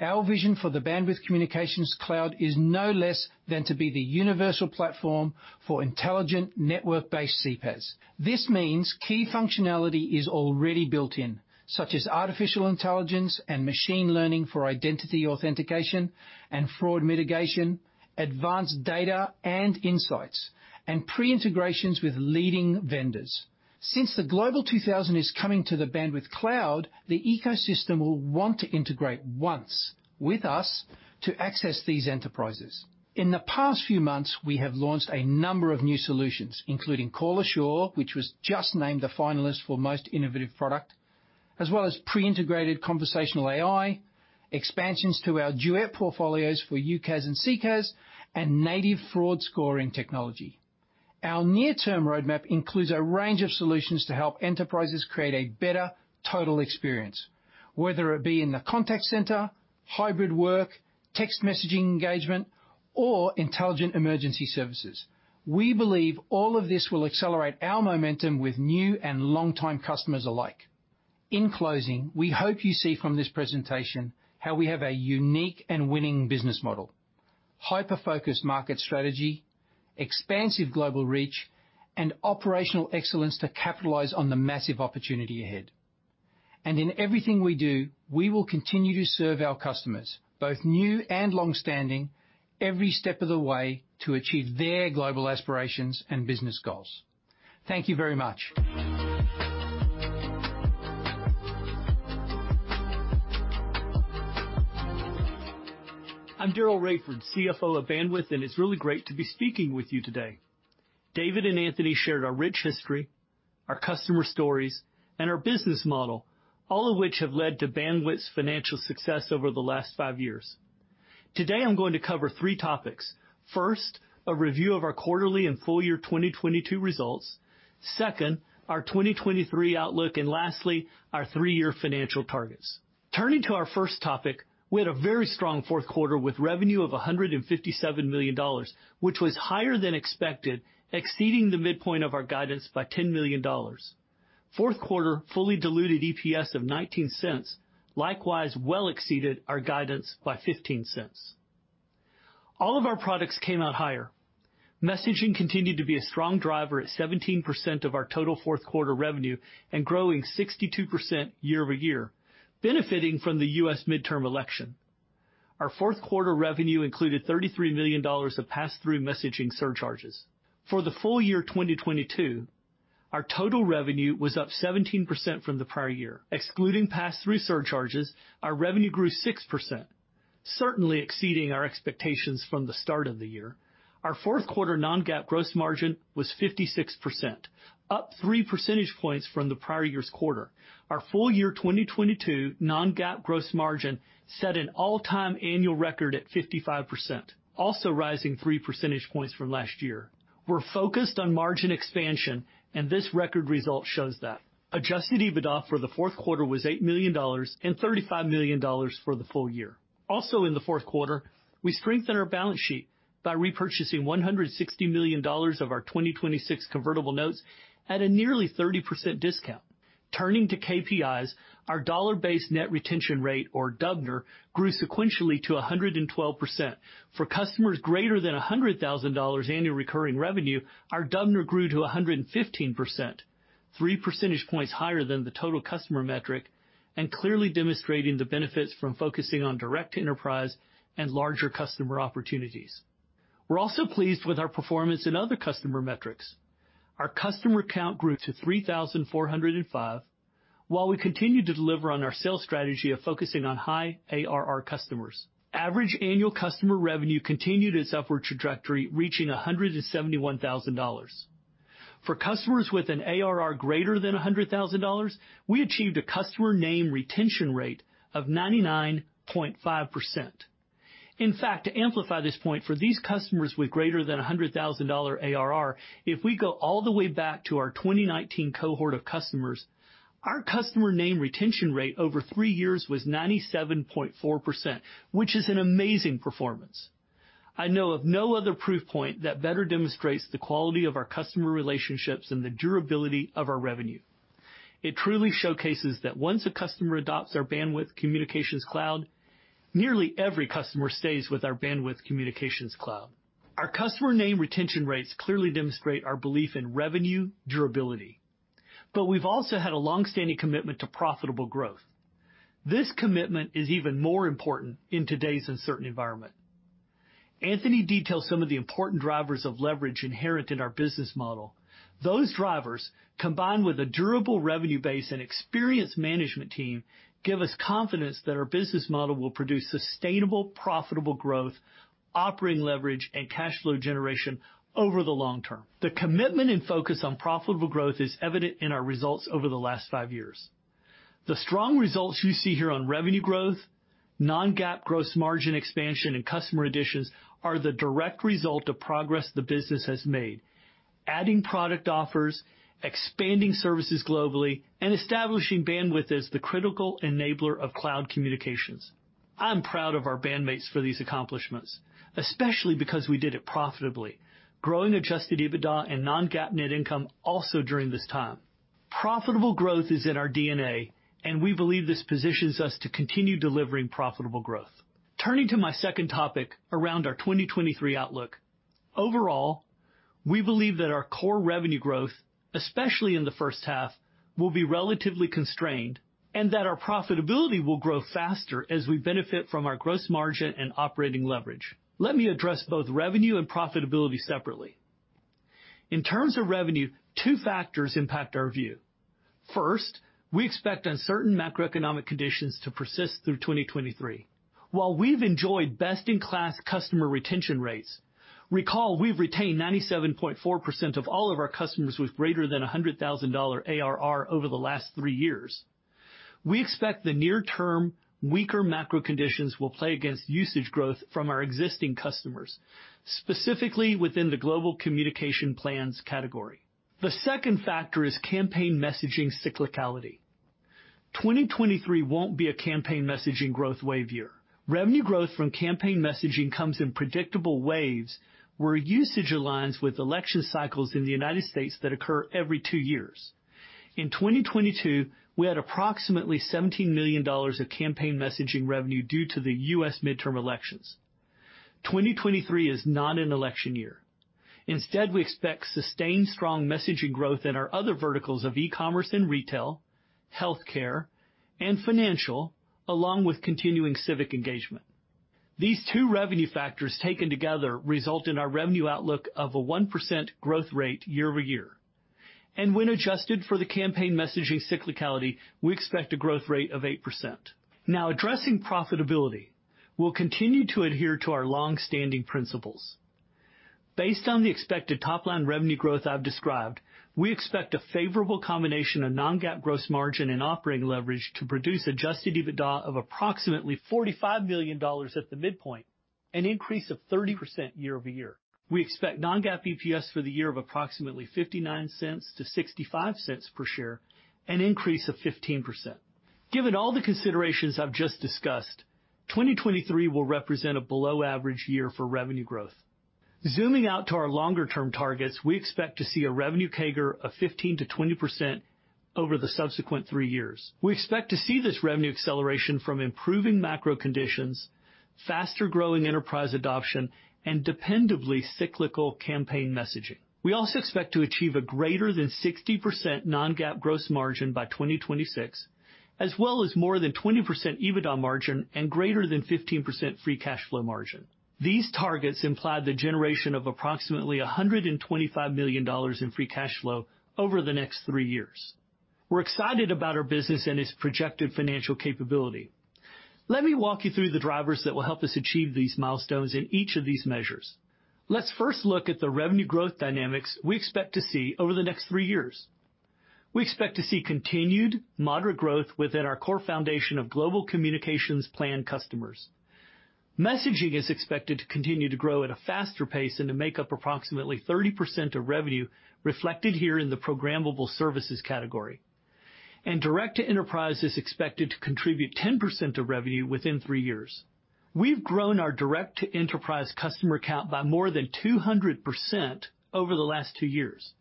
Our vision for the Bandwidth Communications Cloud is no less than to be the universal platform for intelligent network-based CPaaS. This means key functionality is already built in, such as artificial intelligence and machine learning for identity authentication and fraud mitigation, advanced data and insights, and pre-integrations with leading vendors. The Global 2000 is coming to the Bandwidth cloud, the ecosystem will want to integrate once with us to access these enterprises. In the past few months, we have launched a number of new solutions, including Call Assure, which was just named a finalist for Most Innovative Product, as well as pre-integrated conversational AI, expansions to our Duet portfolios for UCaaS and CCaaS, and native fraud scoring technology. Our near-term roadmap includes a range of solutions to help enterprises create a better total experience, whether it be in the contact center, hybrid work, text messaging engagement, or intelligent emergency services. We believe all of this will accelerate our momentum with new and longtime customers alike. In closing, we hope you see from this presentation how we have a unique and winning business model. Hyper-focused market strategy, expansive global reach, and operational excellence to capitalize on the massive opportunity ahead. In everything we do, we will continue to serve our customers, both new and long-standing, every step of the way to achieve their global aspirations and business goals. Thank you very much.
I'm Daryl Raiford, CFO of Bandwidth, it's really great to be speaking with you today. David and Anthony shared our rich history, our customer stories, and our business model, all of which have led to Bandwidth's financial success over the last five years. Today, I'm going to cover three topics. First, a review of our quarterly and full year 2022 results. Second, our 2023 outlook. Lastly, our three-year financial targets. Turning to our first topic, we had a very strong Q4 with revenue of $157 million, which was higher than expected, exceeding the midpoint of our guidance by $10 million. Q4 fully diluted EPS of $0.19, likewise well exceeded our guidance by $0.15. All of our products came out higher. Messaging continued to be a strong driver at 17% of our total Q4 revenue and growing 62% year-over-year, benefiting from the U.S. midterm election. Our Q4 revenue included $33 million of passthrough messaging surcharges. For the full year 2022, our total revenue was up 17% from the prior year. Excluding passthrough surcharges, our revenue grew 6%, certainly exceeding our expectations from the start of the year. Our Q4 non-GAAP gross margin was 56%, up three percentage points from the prior year's quarter. Our full year 2022 non-GAAP gross margin set an all-time annual record at 55%, also rising three percentage points from last year. We're focused on margin expansion. This record result shows that. Adjusted EBITDA for the Q4 was $8 million and 35 million for the full year. In Q4, we strengthened our balance sheet by repurchasing $160 million of our 2026 convertible notes at a nearly 30% discount. Turning to KPIs, our dollar-based net retention rate or DBNR, grew sequentially to 112%. For customers greater than $100,000 annual recurring revenue, our DBNR grew to 115%, three percentage points higher than the total customer metric, and clearly demonstrating the benefits from focusing on direct enterprise and larger customer opportunities. We're also pleased with our performance in other customer metrics. Our customer count grew to 3,405, while we continued to deliver on our sales strategy of focusing on high ARR customers. Average annual customer revenue continued its upward trajectory, reaching $171,000. For customers with an ARR greater than $100,000, we achieved a customer name retention rate of 99.5%. To amplify this point for these customers with greater than $100,000 ARR, if we go all the way back to our 2019 cohort of customers, our customer name retention rate over three years was 97.4%, which is an amazing performance. I know of no other proof point that better demonstrates the quality of our customer relationships and the durability of our revenue. It truly showcases that once a customer adopts our Bandwidth Communications Cloud, nearly every customer stays with our Bandwidth Communications Cloud. Our customer name retention rates clearly demonstrate our belief in revenue durability. We've also had a long-standing commitment to profitable growth. This commitment is even more important in today's uncertain environment. Anthony detailed some of the important drivers of leverage inherent in our business model. Those drivers, combined with a durable revenue base and experienced management team, give us confidence that our business model will produce sustainable, profitable growth, operating leverage, and cash flow generation over the long term. The commitment and focus on profitable growth is evident in our results over the last five years. The strong results you see here on revenue growth, non-GAAP gross margin expansion, and customer additions are the direct result of progress the business has made. Adding product offers, expanding services globally, and establishing Bandwidth as the critical enabler of cloud communications. I'm proud of our Bandmates for these accomplishments, especially because we did it profitably, growing Adjusted EBITDA and non-GAAP net income also during this time. Profitable growth is in our DNA, and we believe this positions us to continue delivering profitable growth. Turning to my second topic around our 2023 outlook. Overall, we believe that our core revenue growth, especially in the first half, will be relatively constrained and that our profitability will grow faster as we benefit from our gross margin and operating leverage. Let me address both revenue and profitability separately. In terms of revenue, two factors impact our view. First, we expect uncertain macroeconomic conditions to persist through 2023. While we've enjoyed best-in-class customer retention rates, recall we've retained 97.4% of all of our customers with greater than a $100,000 ARR over the last three years. We expect the near term weaker macro conditions will play against usage growth from our existing customers, specifically within the global communication plans category. The second factor is campaign messaging cyclicality. 2023 won't be a campaign messaging growth wave year. Revenue growth from campaign messaging comes in predictable waves, where usage aligns with election cycles in the United States that occur every two years. In 2022, we had approximately $17 million of campaign messaging revenue due to the U.S. midterm elections. 2023 is not an election year. Instead, we expect sustained strong messaging growth in our other verticals of e-commerce and retail, healthcare, and financial, along with continuing civic engagement. These two revenue factors taken together result in our revenue outlook of a 1% growth rate year-over-year. When adjusted for the campaign messaging cyclicality, we expect a growth rate of 8%. Addressing profitability, we'll continue to adhere to our long-standing principles. Based on the expected top-line revenue growth I've described, we expect a favorable combination of non-GAAP gross margin and operating leverage to produce Adjusted EBITDA of approximately $45 million at the midpoint, an increase of 30% year-over-year. We expect non-GAAP EPS for the year of approximately $0.59-0.65 per share, an increase of 15%. Given all the considerations I've just discussed, 2023 will represent a below average year for revenue growth. Zooming out to our longer term targets, we expect to see a revenue CAGR of 15%-20% over the subsequent three years. We expect to see this revenue acceleration from improving macro conditions, faster-growing enterprise adoption, and dependably cyclical campaign messaging. We also expect to achieve a greater than 60% non-GAAP gross margin by 2026, as well as more than 20% EBITDA margin and greater than 15% free cash flow margin. These targets imply the generation of approximately $125 million in free cash flow over the next three years. We're excited about our business and its projected financial capability. Let me walk you through the drivers that will help us achieve these milestones in each of these measures. Let's first look at the revenue growth dynamics we expect to see over the next three years. We expect to see continued moderate growth within our core foundation of global communications plan customers. Messaging is expected to continue to grow at a faster pace and to make up approximately 30% of revenue reflected here in the programmable services category. Direct-to-enterprise is expected to contribute 10% of revenue within three years. We've grown our direct-to-enterprise customer count by more than 200% over the last two years.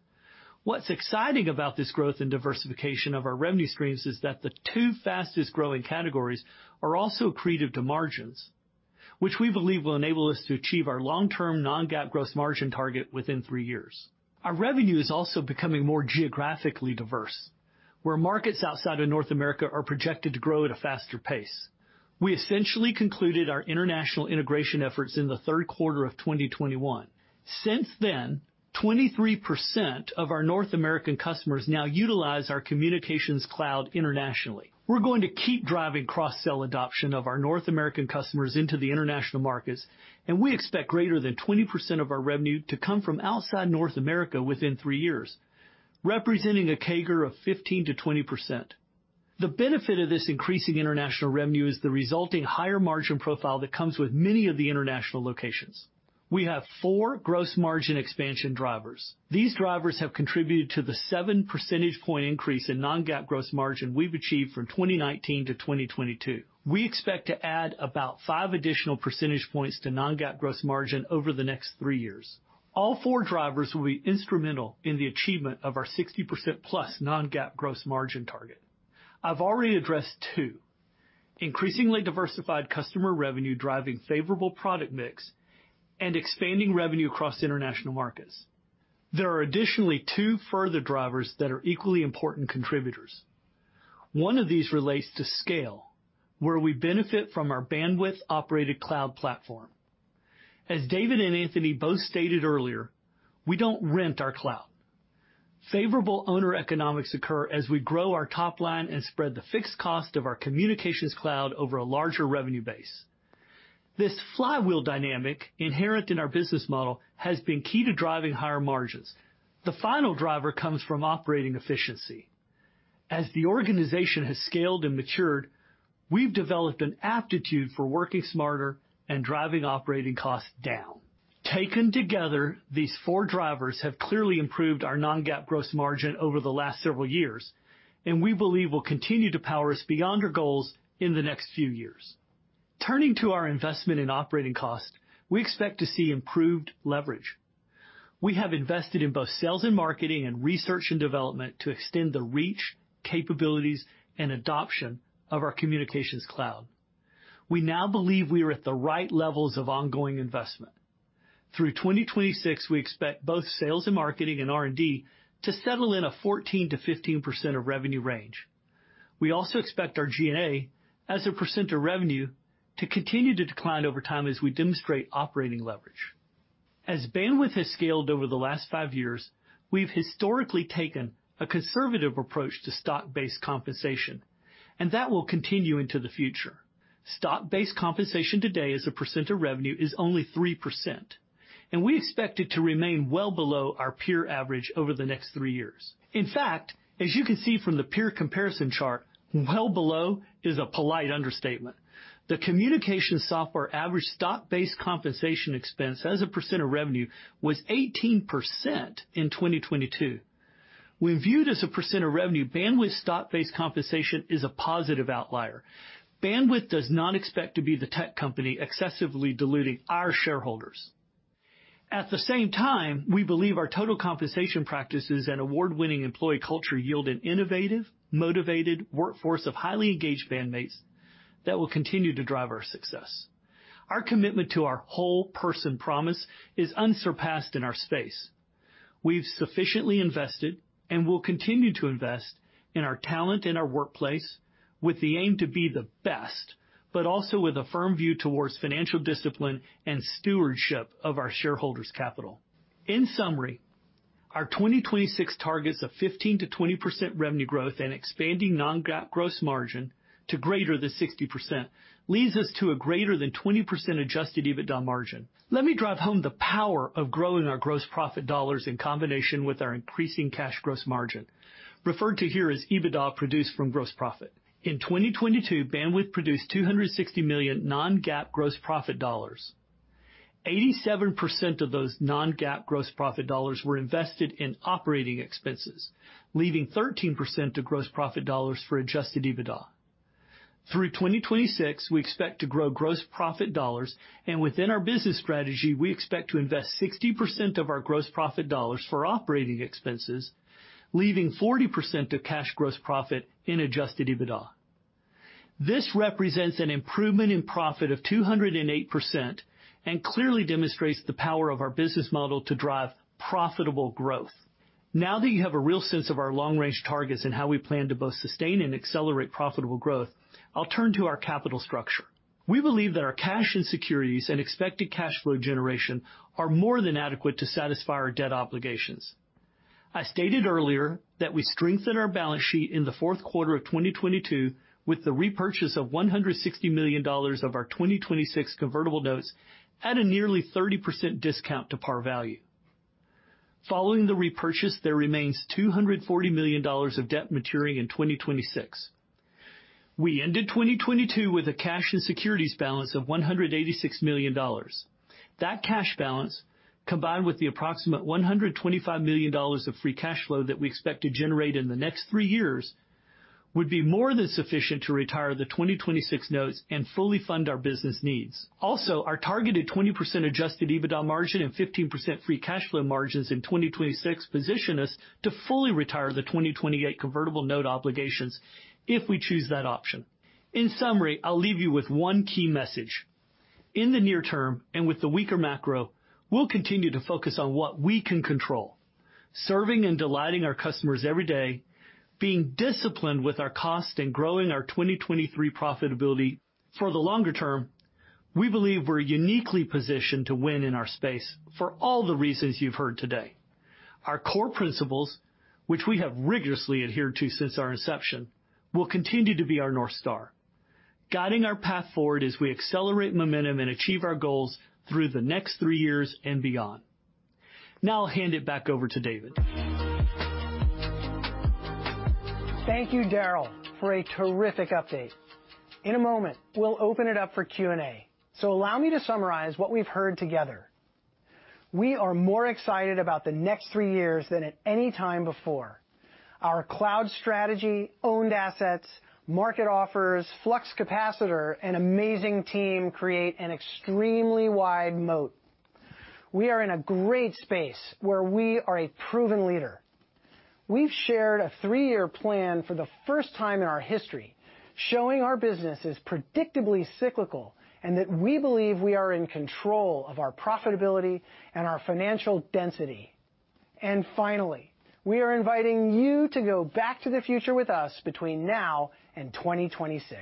What's exciting about this growth and diversification of our revenue streams is that the two fastest-growing categories are also accretive to margins, which we believe will enable us to achieve our long-term non-GAAP gross margin target within three years. Our revenue is also becoming more geographically diverse, where markets outside of North America are projected to grow at a faster pace. We essentially concluded our international integration efforts in Q3 of 2021. Since then, 23% of our North American customers now utilize our Communications Cloud internationally. We're going to keep driving cross-sell adoption of our North American customers into the international markets, and we expect greater than 20% of our revenue to come from outside North America within three years, representing a CAGR of 15%-20%. The benefit of this increasing international revenue is the resulting higher margin profile that comes with many of the international locations. We have four gross margin expansion drivers. These drivers have contributed to the seven percentage point increase in non-GAAP gross margin we've achieved from 2019 to 2022. We expect to add about five additional percentage points to non-GAAP gross margin over the next three years. All four drivers will be instrumental in the achievement of our 60%+ non-GAAP gross margin target. I've already addressed two, increasingly diversified customer revenue driving favorable product mix and expanding revenue across international markets. There are additionally two further drivers that are equally important contributors. One of these relates to scale, where we benefit from our Bandwidth-operated cloud platform. As David and Anthony both stated earlier, we don't rent our cloud. Favorable owner economics occur as we grow our top line and spread the fixed cost of our communications cloud over a larger revenue base. This flywheel dynamic inherent in our business model has been key to driving higher margins. The final driver comes from operating efficiency. As the organization has scaled and matured, we've developed an aptitude for working smarter and driving operating costs down. Taken together, these four drivers have clearly improved our non-GAAP gross margin over the last several years, and we believe will continue to power us beyond our goals in the next few years. Turning to our investment in operating costs, we expect to see improved leverage. We have invested in both sales and marketing and research and development to extend the reach, capabilities, and adoption of our Communications Cloud. We now believe we are at the right levels of ongoing investment. Through 2026, we expect both sales and marketing and R&D to settle in a 14%-15% of revenue range. We also expect our G&A as a percent of revenue to continue to decline over time as we demonstrate operating leverage. As Bandwidth has scaled over the last five years, we've historically taken a conservative approach to stock-based compensation. That will continue into the future. Stock-based compensation today as a percent of revenue is only 3%, we expect it to remain well below our peer average over the next three years. In fact, as you can see from the peer comparison chart, well below is a polite understatement. The communication software average stock-based compensation expense as a percent of revenue was 18% in 2022. When viewed as a percent of revenue, Bandwidth stock-based compensation is a positive outlier. Bandwidth does not expect to be the tech company excessively diluting our shareholders. At the same time, we believe our total compensation practices and award-winning employee culture yield an innovative, motivated workforce of highly engaged Bandmates that will continue to drive our success. Our commitment to our Whole Person Promise is unsurpassed in our space. We've sufficiently invested and will continue to invest in our talent, in our workplace with the aim to be the best, but also with a firm view towards financial discipline and stewardship of our shareholders capital. In summary, our 2026 targets of 15%-20% revenue growth and expanding non-GAAP gross margin to greater than 60% leads us to a greater than 20% Adjusted EBITDA margin. Let me drive home the power of growing our gross profit dollars in combination with our increasing cash gross margin, referred to here as EBITDA produced from gross profit. In 2022, Bandwidth produced $260 million non-GAAP gross profit dollars. 87% of those non-GAAP gross profit dollars were invested in operating expenses, leaving 13% of gross profit dollars for Adjusted EBITDA. Through 2026, we expect to grow gross profit dollars, within our business strategy, we expect to invest 60% of our gross profit dollars for operating expenses, leaving 40% of cash gross profit in Adjusted EBITDA. This represents an improvement in profit of 208% and clearly demonstrates the power of our business model to drive profitable growth. Now that you have a real sense of our long range targets and how we plan to both sustain and accelerate profitable growth, I'll turn to our capital structure. We believe that our cash and securities and expected cash flow generation are more than adequate to satisfy our debt obligations. I stated earlier that we strengthened our balance sheet in the Q4 of 2022 with the repurchase of $160 million of our 2026 convertible notes at a nearly 30% discount to par value. Following the repurchase, there remains $240 million of debt maturing in 2026. We ended 2022 with a cash and securities balance of $186 million. That cash balance, combined with the approximate $125 million of free cash flow that we expect to generate in the next three years, would be more than sufficient to retire the 2026 notes and fully fund our business needs. Our targeted 20% Adjusted EBITDA margin and 15% free cash flow margins in 2026 position us to fully retire the 2028 convertible note obligations if we choose that option. In summary, I'll leave you with one key message. In the near term and with the weaker macro, we'll continue to focus on what we can control, serving and delighting our customers every day, being disciplined with our cost, and growing our 2023 profitability. For the longer term, we believe we're uniquely positioned to win in our space for all the reasons you've heard today. Our core principles, which we have rigorously adhered to since our inception, will continue to be our North Star, guiding our path forward as we accelerate momentum and achieve our goals through the next three years and beyond. Now I'll hand it back over to David.
Thank you, Daryl, for a terrific update. In a moment, we'll open it up for Q&A. Allow me to summarize what we've heard together. We are more excited about the next three years than at any time before. Our cloud strategy, owned assets, market offers, flux capacitor, and amazing team create an extremely wide moat. We are in a great space where we are a proven leader. We've shared a three-year plan for the first time in our history, showing our business is predictably cyclical and that we believe we are in control of our profitability and our financial density. Finally, we are inviting you to go Back to the Future with us between now and 2026.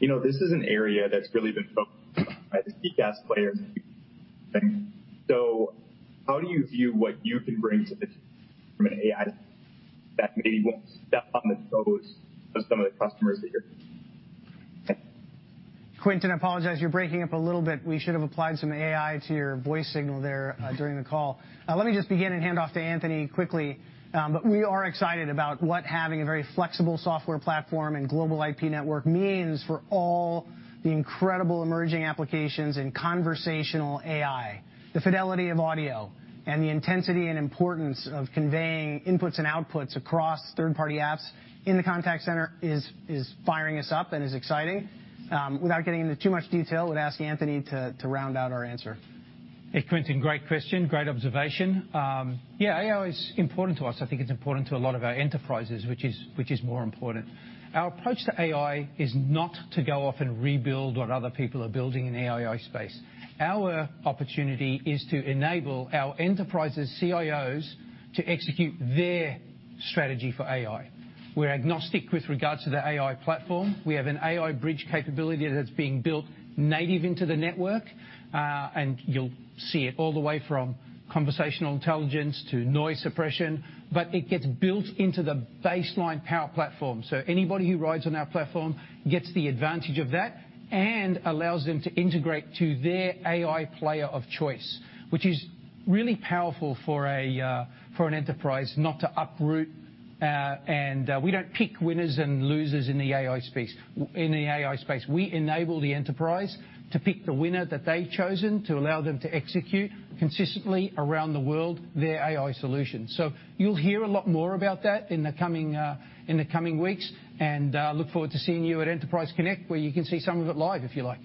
You know, this is an area that's really been focused on by the CPaaS players. How do you view what you can bring to the table from an AI that maybe won't step on the toes of some of the customers that you're....?
Quinton, I apologize, you're breaking up a little bit. We should have applied some AI to your voice signal there, during the call. Let me just begin and hand off to Anthony quickly. We are excited about what having a very flexible software platform and global IP network means for all the incredible emerging applications in conversational AI. The fidelity of audio and the intensity and importance of conveying inputs and outputs across third-party apps in the contact center is firing us up and is exciting. Without getting into too much detail, I would ask Anthony to round out our answer.
Hey, Quinton, great question. Great observation. Yeah, AI is important to us. I think it's important to a lot of our enterprises, which is more important. Our approach to AI is not to go off and rebuild what other people are building in the AI space. Our opportunity is to enable our enterprises' CIOs to execute their strategy for AI. We're agnostic with regards to the AI platform. We have an AI Bridge capability that's being built native into the network, and you'll see it all the way from conversational intelligence to noise suppression, but it gets built into the baseline power platform. Anybody who rides on our platform gets the advantage of that and allows them to integrate to their AI player of choice, which is really powerful for an enterprise not to uproot. We don't pick winners and losers in the AI space. We enable the enterprise to pick the winner that they've chosen to allow them to execute consistently around the world their AI solution. You'll hear a lot more about that in the coming weeks, and, look forward to seeing you at Enterprise Connect, where you can see some of it live, if you like.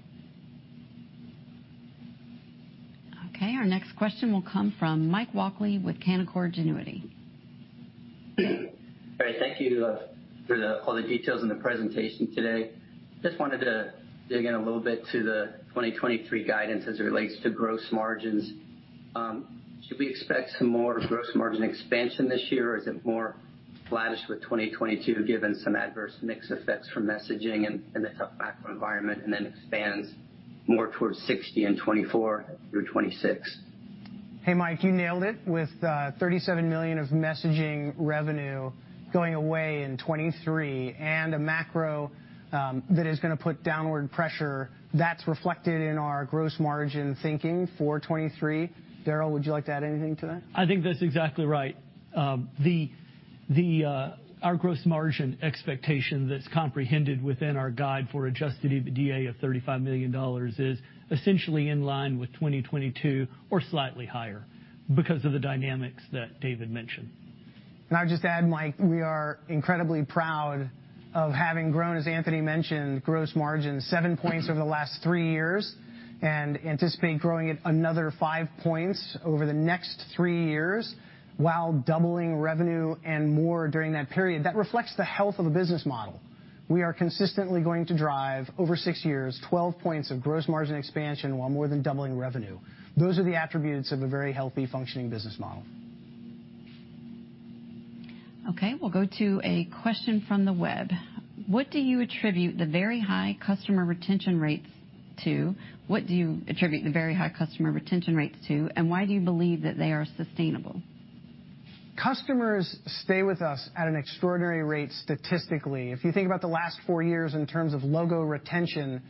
Okay. Our next question will come from Mike Walkley with Canaccord Genuity.
All right, thank you for all the details in the presentation today. Just wanted to dig in a little bit to the 2023 guidance as it relates to gross margins. Should we expect some more gross margin expansion this year, or is it more flattish with 2022, given some adverse mix effects from messaging and the tough macro environment, and then expands more towards 60% in 2024 through 2026?
Hey, Mike, you nailed it. With $37 million of messaging revenue going away in 2023 and a macro, that is gonna put downward pressure, that's reflected in our gross margin thinking for 2023. Daryl, would you like to add anything to that?
I think that's exactly right. The our gross margin expectation that's comprehended within our guide for Adjusted EBITDA of $35 million is essentially in line with 2022 or slightly higher because of the dynamics that David mentioned.
I'll just add, Mike, we are incredibly proud of having grown, as Anthony mentioned, gross margin seven points over the last three years and anticipate growing it another five points over the next three years while doubling revenue and more during that period. That reflects the health of a business model. We are consistently going to drive, over six years, 12 points of gross margin expansion while more than doubling revenue. Those are the attributes of a very healthy, functioning business model.
Okay, we'll go to a question from the web. What do you attribute the very high customer retention rates to? What do you attribute the very high customer retention rates to, and why do you believe that they are sustainable?
Customers stay with us at an extraordinary rate statistically. If you think about the last four years in terms of logo retention,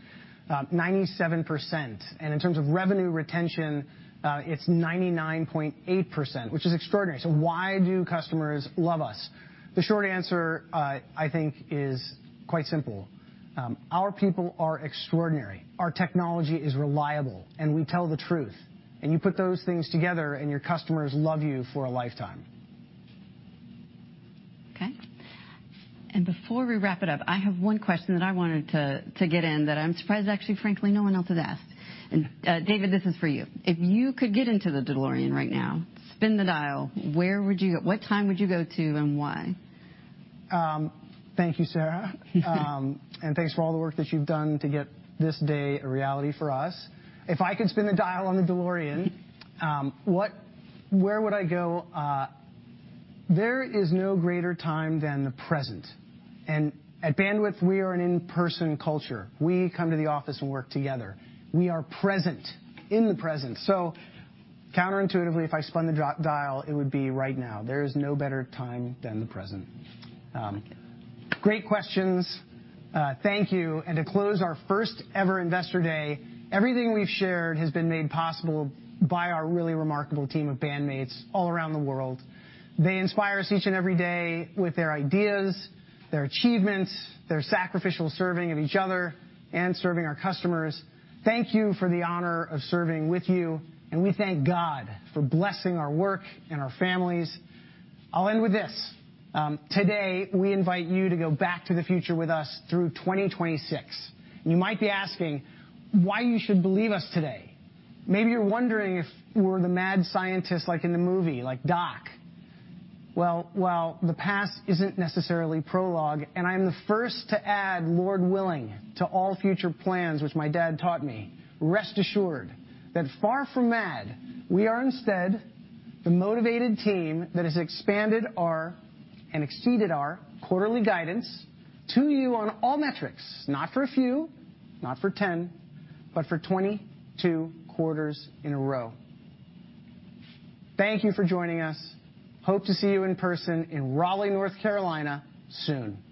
97%, and in terms of revenue retention, it's 99.8%, which is extraordinary. Why do customers love us? The short answer, I think, is quite simple. Our people are extraordinary. Our technology is reliable, and we tell the truth. You put those things together, and your customers love you for a lifetime.
Okay. Before we wrap it up, I have one question that I wanted to get in that I'm surprised actually, frankly, no one else has asked. David, this is for you. If you could get into the DeLorean right now, spin the dial, where would you go? What time would you go to, and why?
Thank you, Sarah. Thanks for all the work that you've done to get this day a reality for us. If I could spin the dial on the DeLorean, where would I go? There is no greater time than the present. At Bandwidth, we are an in-person culture. We come to the office and work together. We are present in the present. Counterintuitively, if I spun the dial, it would be right now. There is no better time than the present. Great questions. Thank you. To close our first ever Investor Day, everything we've shared has been made possible by our really remarkable team of Bandmates all around the world. They inspire us each and every day with their ideas, their achievements, their sacrificial serving of each other and serving our customers. Thank you for the honor of serving with you, we thank God for blessing our work and our families. I'll end with this. Today, we invite you to go Back to the Future with us through 2026. You might be asking why you should believe us today. Maybe you're wondering if we're the mad scientist like in the movie, like Doc. Well, while the past isn't necessarily prologue, and I'm the first to add, Lord willing, to all future plans, which my dad taught me, rest assured that far from mad, we are instead the motivated team that has expanded our and exceeded our quarterly guidance to you on all metrics, not for a few, not for 10, but for 22 quarters in a row. Thank you for joining us. Hope to see you in person in Raleigh, North Carolina, soon.